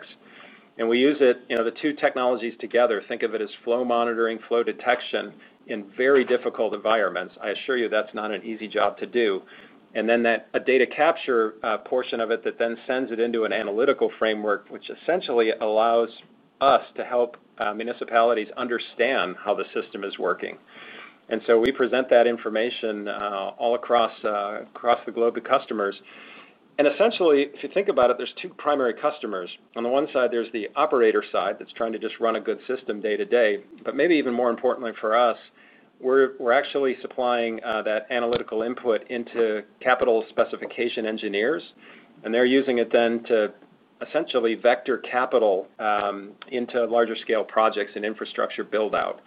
C: We use it, the two technologies together, think of it as flow monitoring, flow detection in very difficult environments. I assure you that's not an easy job to do. Then a data capture portion of it that then sends it into an analytical framework which essentially allows us to help municipalities understand how the system is working. We present that information all across the globe to customers. Essentially, if you think about it, there's two primary customers. On the one side, there's the operator side that's trying to just run a good system day to day. Maybe even more importantly for us, we're actually supplying that analytical input into capital specification engineers and they're using it then to essentially vector capital into larger scale projects and infrastructure build out.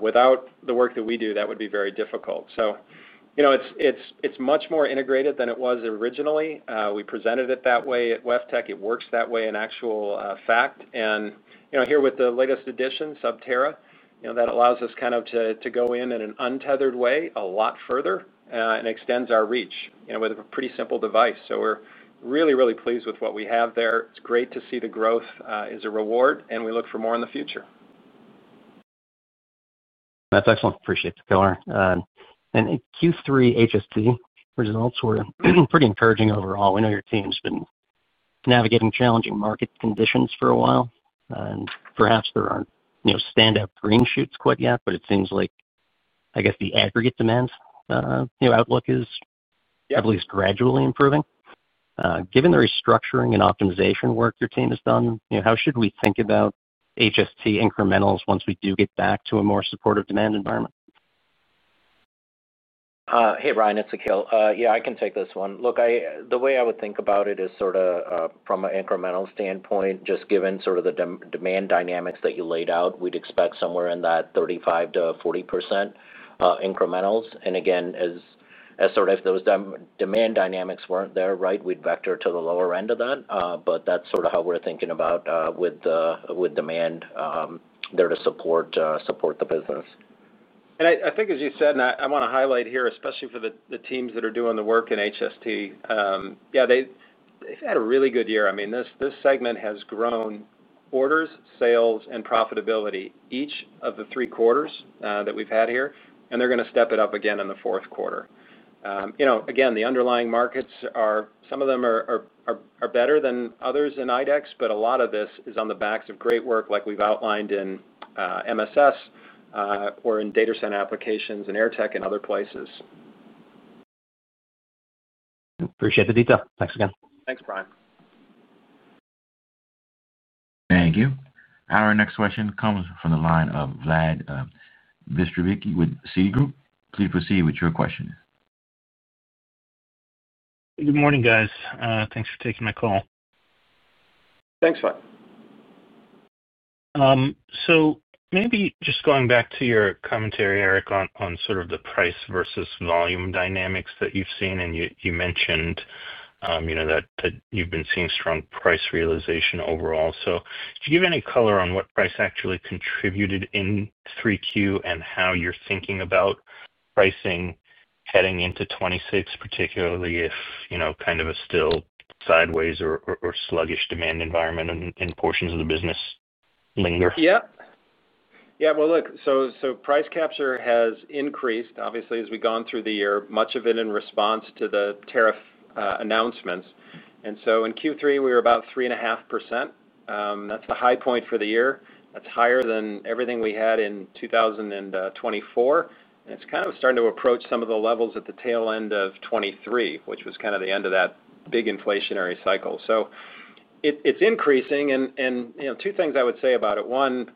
C: Without the work that we do, that would be very difficult. It's much more integrated than it was originally. We presented it that way at WEFTEC. It works that way in actual fact. Here with the latest addition, Subterra, that allows us to go in an untethered way a lot further and extends our reach with a pretty simple device. We're really, really pleased with what we have there. It's great to see the growth as a reward and we look for more in the future.
I: That's excellent. Appreciate the color and Q3 HST results were pretty encouraging overall. We know your team's been navigating challenging market conditions for a while and perhaps there aren't standout green shoots quite yet, but it seems like, I guess, the aggregate demand outlook is at least gradually improving. Given the restructuring and optimization work your team has done, how should we think about HST incrementals once we do get back to a more supportive demand environment?
D: Hey Ryan, it's Akhil. Yeah, I can take this one. Look, the way I would think about it is sort of from an incremental standpoint, just given sort of the demand dynamics that you laid out, we'd expect somewhere in that 35 to 40% incrementals. Again, as sort of those demand dynamics weren't there, right, we'd vector to the lower end of that. That's sort of how we're thinking about with demand there to support the business.
C: I think, as you said, I want to highlight here, especially for the teams that are doing the work in HST. They've had a really good year. I mean, this segment has grown orders, sales, and profitability each of the three quarters that we've had here, and they're going to step it up again in the fourth quarter. The underlying markets are, some of them are better than others in IDEX, but a lot of this is on the backs of great work like we've outlined in MSS or in data center applications and air tech and other places.
I: Appreciate the detail. Thanks again.
C: Thanks, Brian.
A: Thank you. Our next question comes from the line of Vlad Bystricky with Citigroup. Please proceed with your question.
J: Good morning, guys. Thanks for taking my call.
C: Thanks.
J: Maybe just going back to your. Commentary, Eric, on sort of the price. Versus volume dynamics that you've seen. You mentioned that you've been seeing strong price realization overall. Could you give any color on what price actually contributed in 3Q and how you're thinking about pricing heading into 2026, particularly if a still sideways or sluggish demand environment in portions of the business linger?
C: Yeah, look, price capture has increased obviously as we've gone through the year, much of it in response to the tariff announcements. In Q3 we were about 3.5%. That's the high point for the year. That's higher than everything we had in 2024. It's kind of starting to approach some of the levels at the tail end of 2023, which was the end of that big inflationary cycle. It's increasing. Two things I would say about it, one,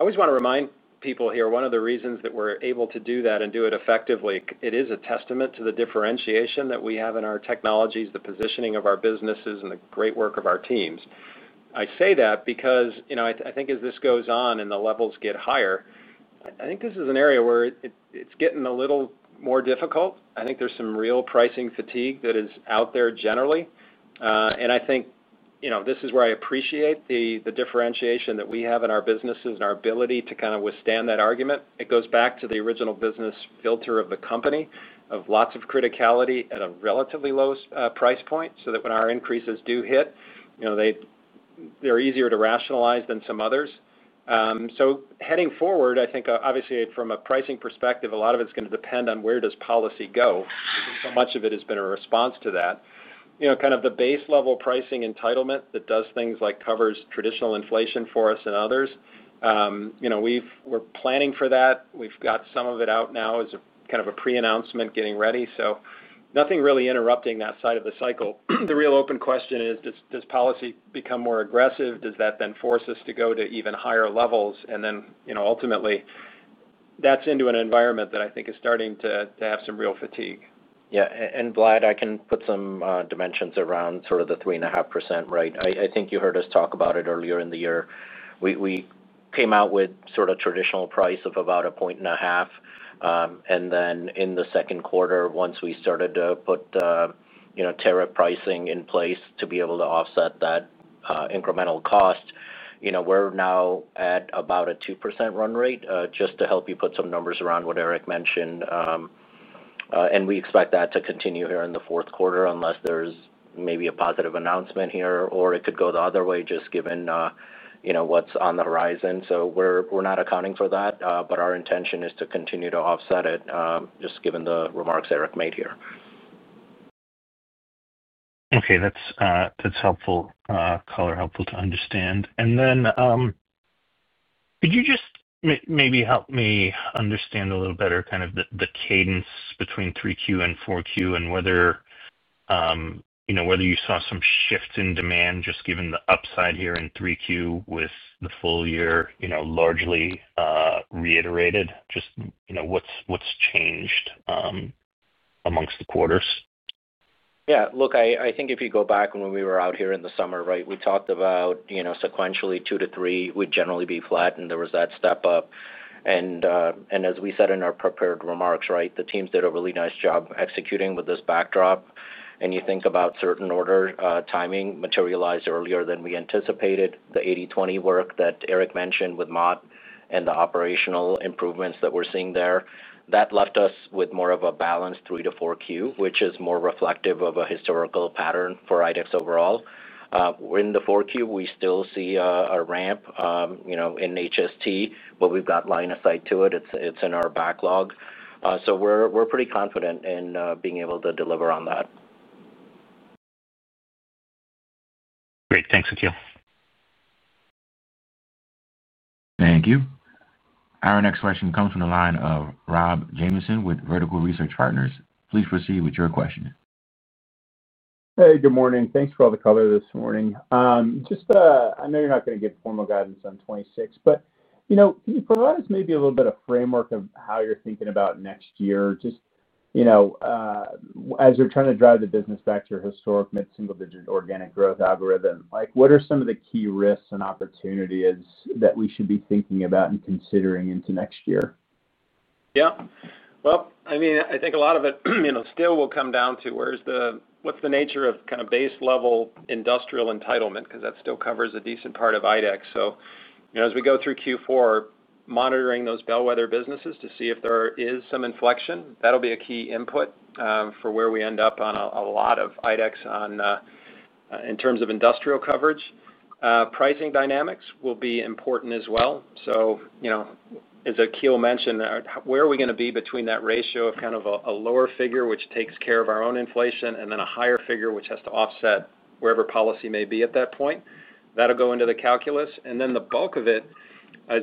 C: I always want to remind people here, one of the reasons that we're able to do that and do it effectively, it is a testament to the differentiation that we have in our technologies, the positioning of our businesses, and the great work of our teams. I say that because I think as this goes on and the levels get higher, this is an area where it's getting a little more difficult. There's some real pricing fatigue that is out there generally. This is where I appreciate the differentiation that we have in our businesses and our ability to withstand that argument. It goes back to the original business filter of the company of lots of criticality at a relatively low price point, so that when our increases do hit, they're easier to rationalize than some others. Heading forward, obviously from a pricing perspective, a lot of it's going to depend on where policy goes. Much of it has been a response to that kind of the base level pricing, entitlement, that does things like covers traditional inflation for us and others. We're planning for that. We've got some of it out now as a kind of a pre-announcement getting ready. Nothing really interrupting that side of the cycle. The real open question is, does policy become more aggressive? Does that then force us to go to even higher levels? Ultimately that's into an environment that I think is starting to have some real fatigue. Yeah.
D: Vlad, I can put some dimensions around sort of the 3.5%. I think you heard us talk about it earlier in the year, we came out with sort of traditional price of about a point and a half. In the second quarter, once we started to put tariff pricing in place to be able to offset that incremental cost, we're now at about a 2% run rate. Just to help you put some numbers around what Eric mentioned. We expect that to continue here in the fourth quarter, unless there's maybe a positive announcement here or it could go the other way just given what's on the horizon. We're not accounting for that, but our intention is to continue to offset it, just given the remarks Eric made here.
J: That's helpful. Color, helpful to understand. Could you just maybe help me understand a little better kind of the cadence between 3Q and 4Q and whether you saw some shift in demand just given the upside here in 3Q with the full year largely reiterated, just what's changed amongst the quarters?
D: If you go back when we were out here in the summer, we talked about sequentially, 2% to 3% would generally be flat. There was that step up. As we said in our prepared remarks, the teams did a really nice job executing with this backdrop. You think about certain order timing materialized earlier than we anticipated. The 80/20 work that Eric mentioned with MOTT and the operational improvements that we're seeing there, that left us with more of a balanced 3 to 4Q, which is more reflective of a historical pattern for IDEX Corporation overall. In the 4Q, we still see a ramp in HST, but we've got line of sight to it. It's in our backlog, so we're pretty confident in being able to deliver on that.
J: Great. Thanks, Akhil.
A: Thank you. Our next question comes from the line. Of Rob Jamieson with Vertical Research Partners. Please proceed with your question.
K: Hey, good morning. Thanks for all the color this morning. I know you're not going to give formal guidance on 2026, but can you provide us maybe a little bit of framework of how you're thinking about next year? As you're trying to drive the business back to your historic mid single digit organic growth algorithm, what are some of the key risks? Opportunities that we should be thinking. About and considering into next year?
C: I think a lot of it still will come down to where is the, what's the nature of kind of base level industrial entitlement? That still covers a decent part of IDEX. As we go through Q4, monitoring those bellwether businesses to see if there is some inflection, that'll be a key input for where we end up on a lot of IDEX in terms of industrial coverage. Pricing dynamics will be important as well. As Akhil mentioned, where are we going to be between that ratio of kind of a lower figure which takes care of our inflation and then a higher figure which has to offset wherever policy may be at that point? That will go into the calculus, and the bulk of it is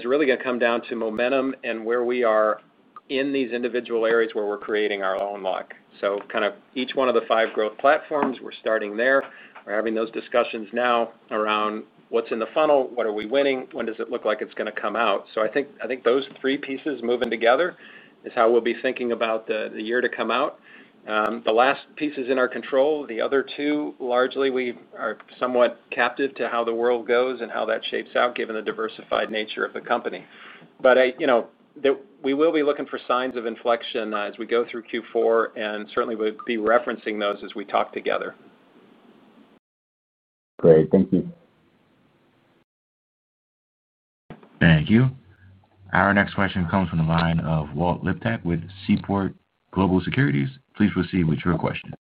C: really going to come down to momentum and where we are in these individual areas where we're creating our own luck. Each one of the five growth platforms, we're starting there, we're having those discussions now around what's in the funnel, what are we winning, when does it look like it's going to come out? I think those three pieces moving together is how we'll be thinking about the year to come out. The last piece is in our control. The other two, largely we are somewhat captive to how the world goes and how that shapes out given the diversified nature of the company. We will be looking for signs of inflection as we go through Q4 and certainly we'll be referencing those as we talk together.
K: Great, thank you.
A: Thank you. Our next question comes from the line of Walt Liptak with Seaport Global Securities. Please proceed with your question.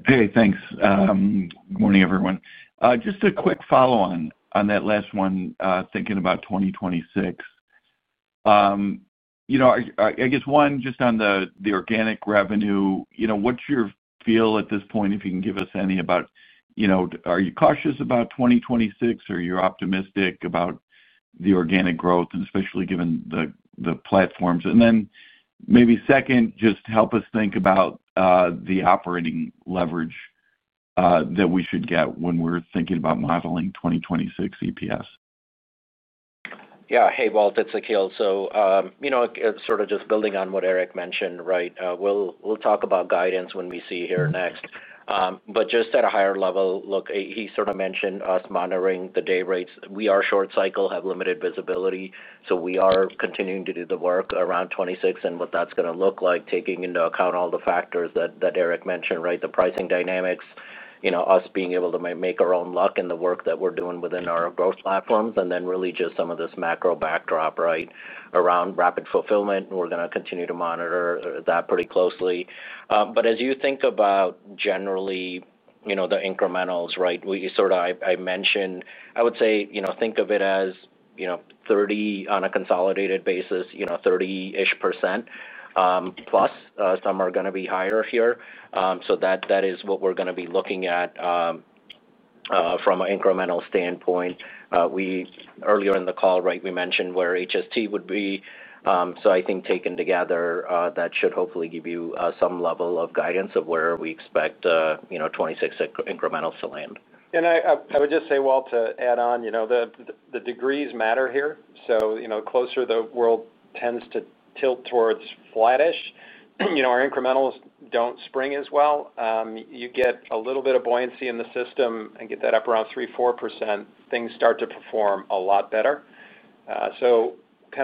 L: Okay, thanks. Good morning, everyone. Just a quick follow on that last one. Thinking about 2026, I guess. One just on the organic revenue, what's your feel at this point? If you can give us any about are you cautious about 2026 or are. You optimistic about the organic growth and especially given the platforms, and then maybe second, just help us think about the operating leverage that we should get when we're thinking about modeling 2026 EPS?
D: Yeah, hey Walt, it's Akhil. Just building on what Eric mentioned. Right. We'll talk about guidance when we see you here next, but just at a higher level. He sort of mentioned us monitoring the day rates. We are short cycle, have limited visibility. We are continuing to do the work around 2026 and what that's going to look like, taking into account all the factors that Eric mentioned. The pricing dynamics, us being able to make our own luck, and the work that we're doing within our growth platforms, and then really just some of this macro backdrop around rapid fulfillment. We're going to continue to monitor that pretty closely. As you think about generally the incrementals, I mentioned, I would say think of it as 30% on a consolidated basis, 30% plus. Some are going to be higher here. That is what we're going to be looking at from an incremental standpoint. Earlier in the call, we mentioned where HST would be. Taken together, that should hopefully give you some level of guidance of where we expect 2026 incrementals to land.
C: I would just say, Walt, to add on, the degrees matter here. The closer the world tends to tilt towards flattish, our incrementals don't spring as well. You get a little bit of buoyancy in the system and get that up around 3%, 4%, things start to perform a lot better.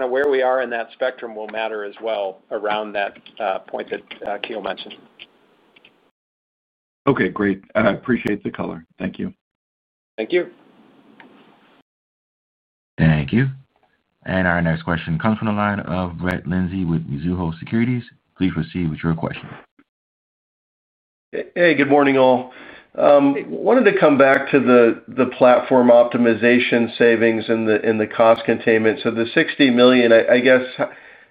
C: Where we are in that spectrum will matter as well around that point that Akhil mentioned.
L: Okay, great. I appreciate the color. Thank you,
C: thank you,
A: Thank you. Our next question comes from the.
M: Good morning all. Wanted to come back to the platform optimization savings in the cost containment. The $60 million, I guess,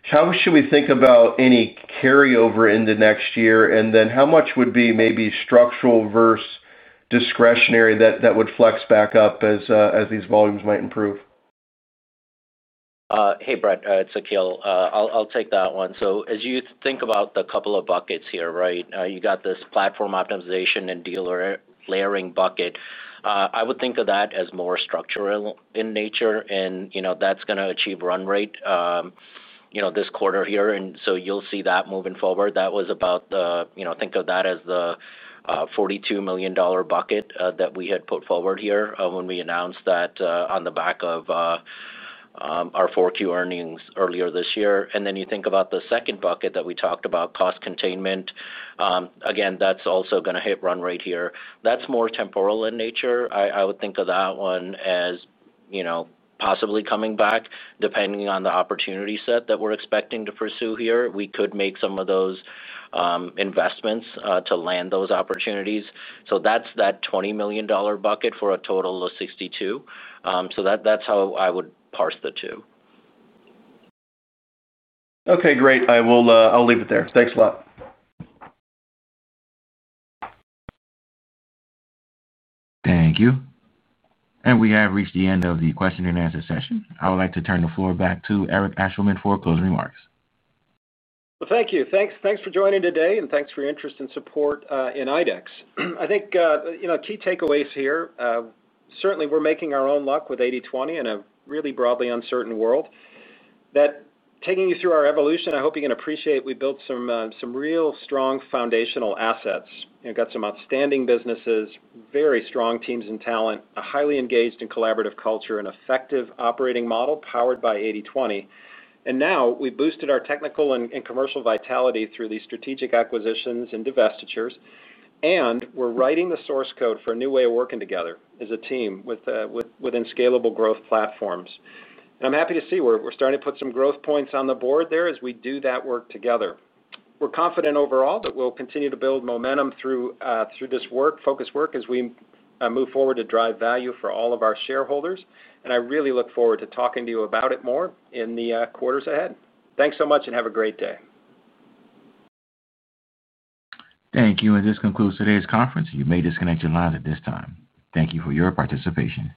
M: how should we think about any carryover into next year? How much would be maybe structural versus discretionary that would flex back up as these volumes might improve.
D: Hey Brett, it's Akhil. I'll take that one. As you think about the couple of buckets here, right, you got this platform Optim and dealer layering bucket. I would think of that as more structural in nature. You know, that's going to achieve run rate this quarter here. You'll see that moving forward. That was about, you know, think of that as the $42 million bucket that we had put forward here when we announced that on the back of our 4Q earnings earlier this year. You think about the second bucket that we talked about, cost containment again. That's also going to hit run rate here. That's more temporal in nature. I would think of that one as possibly coming back. Depending on the opportunity set that we're expecting to pursue here, we could make some of those investments to land those opportunities. That's that $20 million bucket for a total of $62 million. That's how I would parse the two.
M: Okay, great. I'll leave it there. Thanks a lot.
A: Thank you. We have reached the end of. The question and answer session. I would like to turn the floor.
C: Thank you. Thanks for joining today and thanks for your interest and support in IDEX. I think key takeaways here, certainly we're making our own luck with 80/20 in a really broadly uncertain world. Taking you through our evolution, I hope you can appreciate we built some real strong foundational assets, got some outstanding businesses, very strong teams and talent, a highly engaged and collaborative culture, and effective operating model powered by 80/20. Now we boosted our technical and commercial vitality through these strategic acquisitions and divestitures. We're writing the source code for a new way of working together as a team within scalable growth platforms. I'm happy to see we're starting to put some growth points on the board there as we do that work together. We're confident overall that we'll continue to build momentum through this focused work as we move forward to drive value for all of our shareholders. I really look forward to talking to you about it more in the quarters ahead. Thanks so much and have a great day.
A: Thank you. This concludes today's conference. You may disconnect your lines at this time. Thank you for your participation.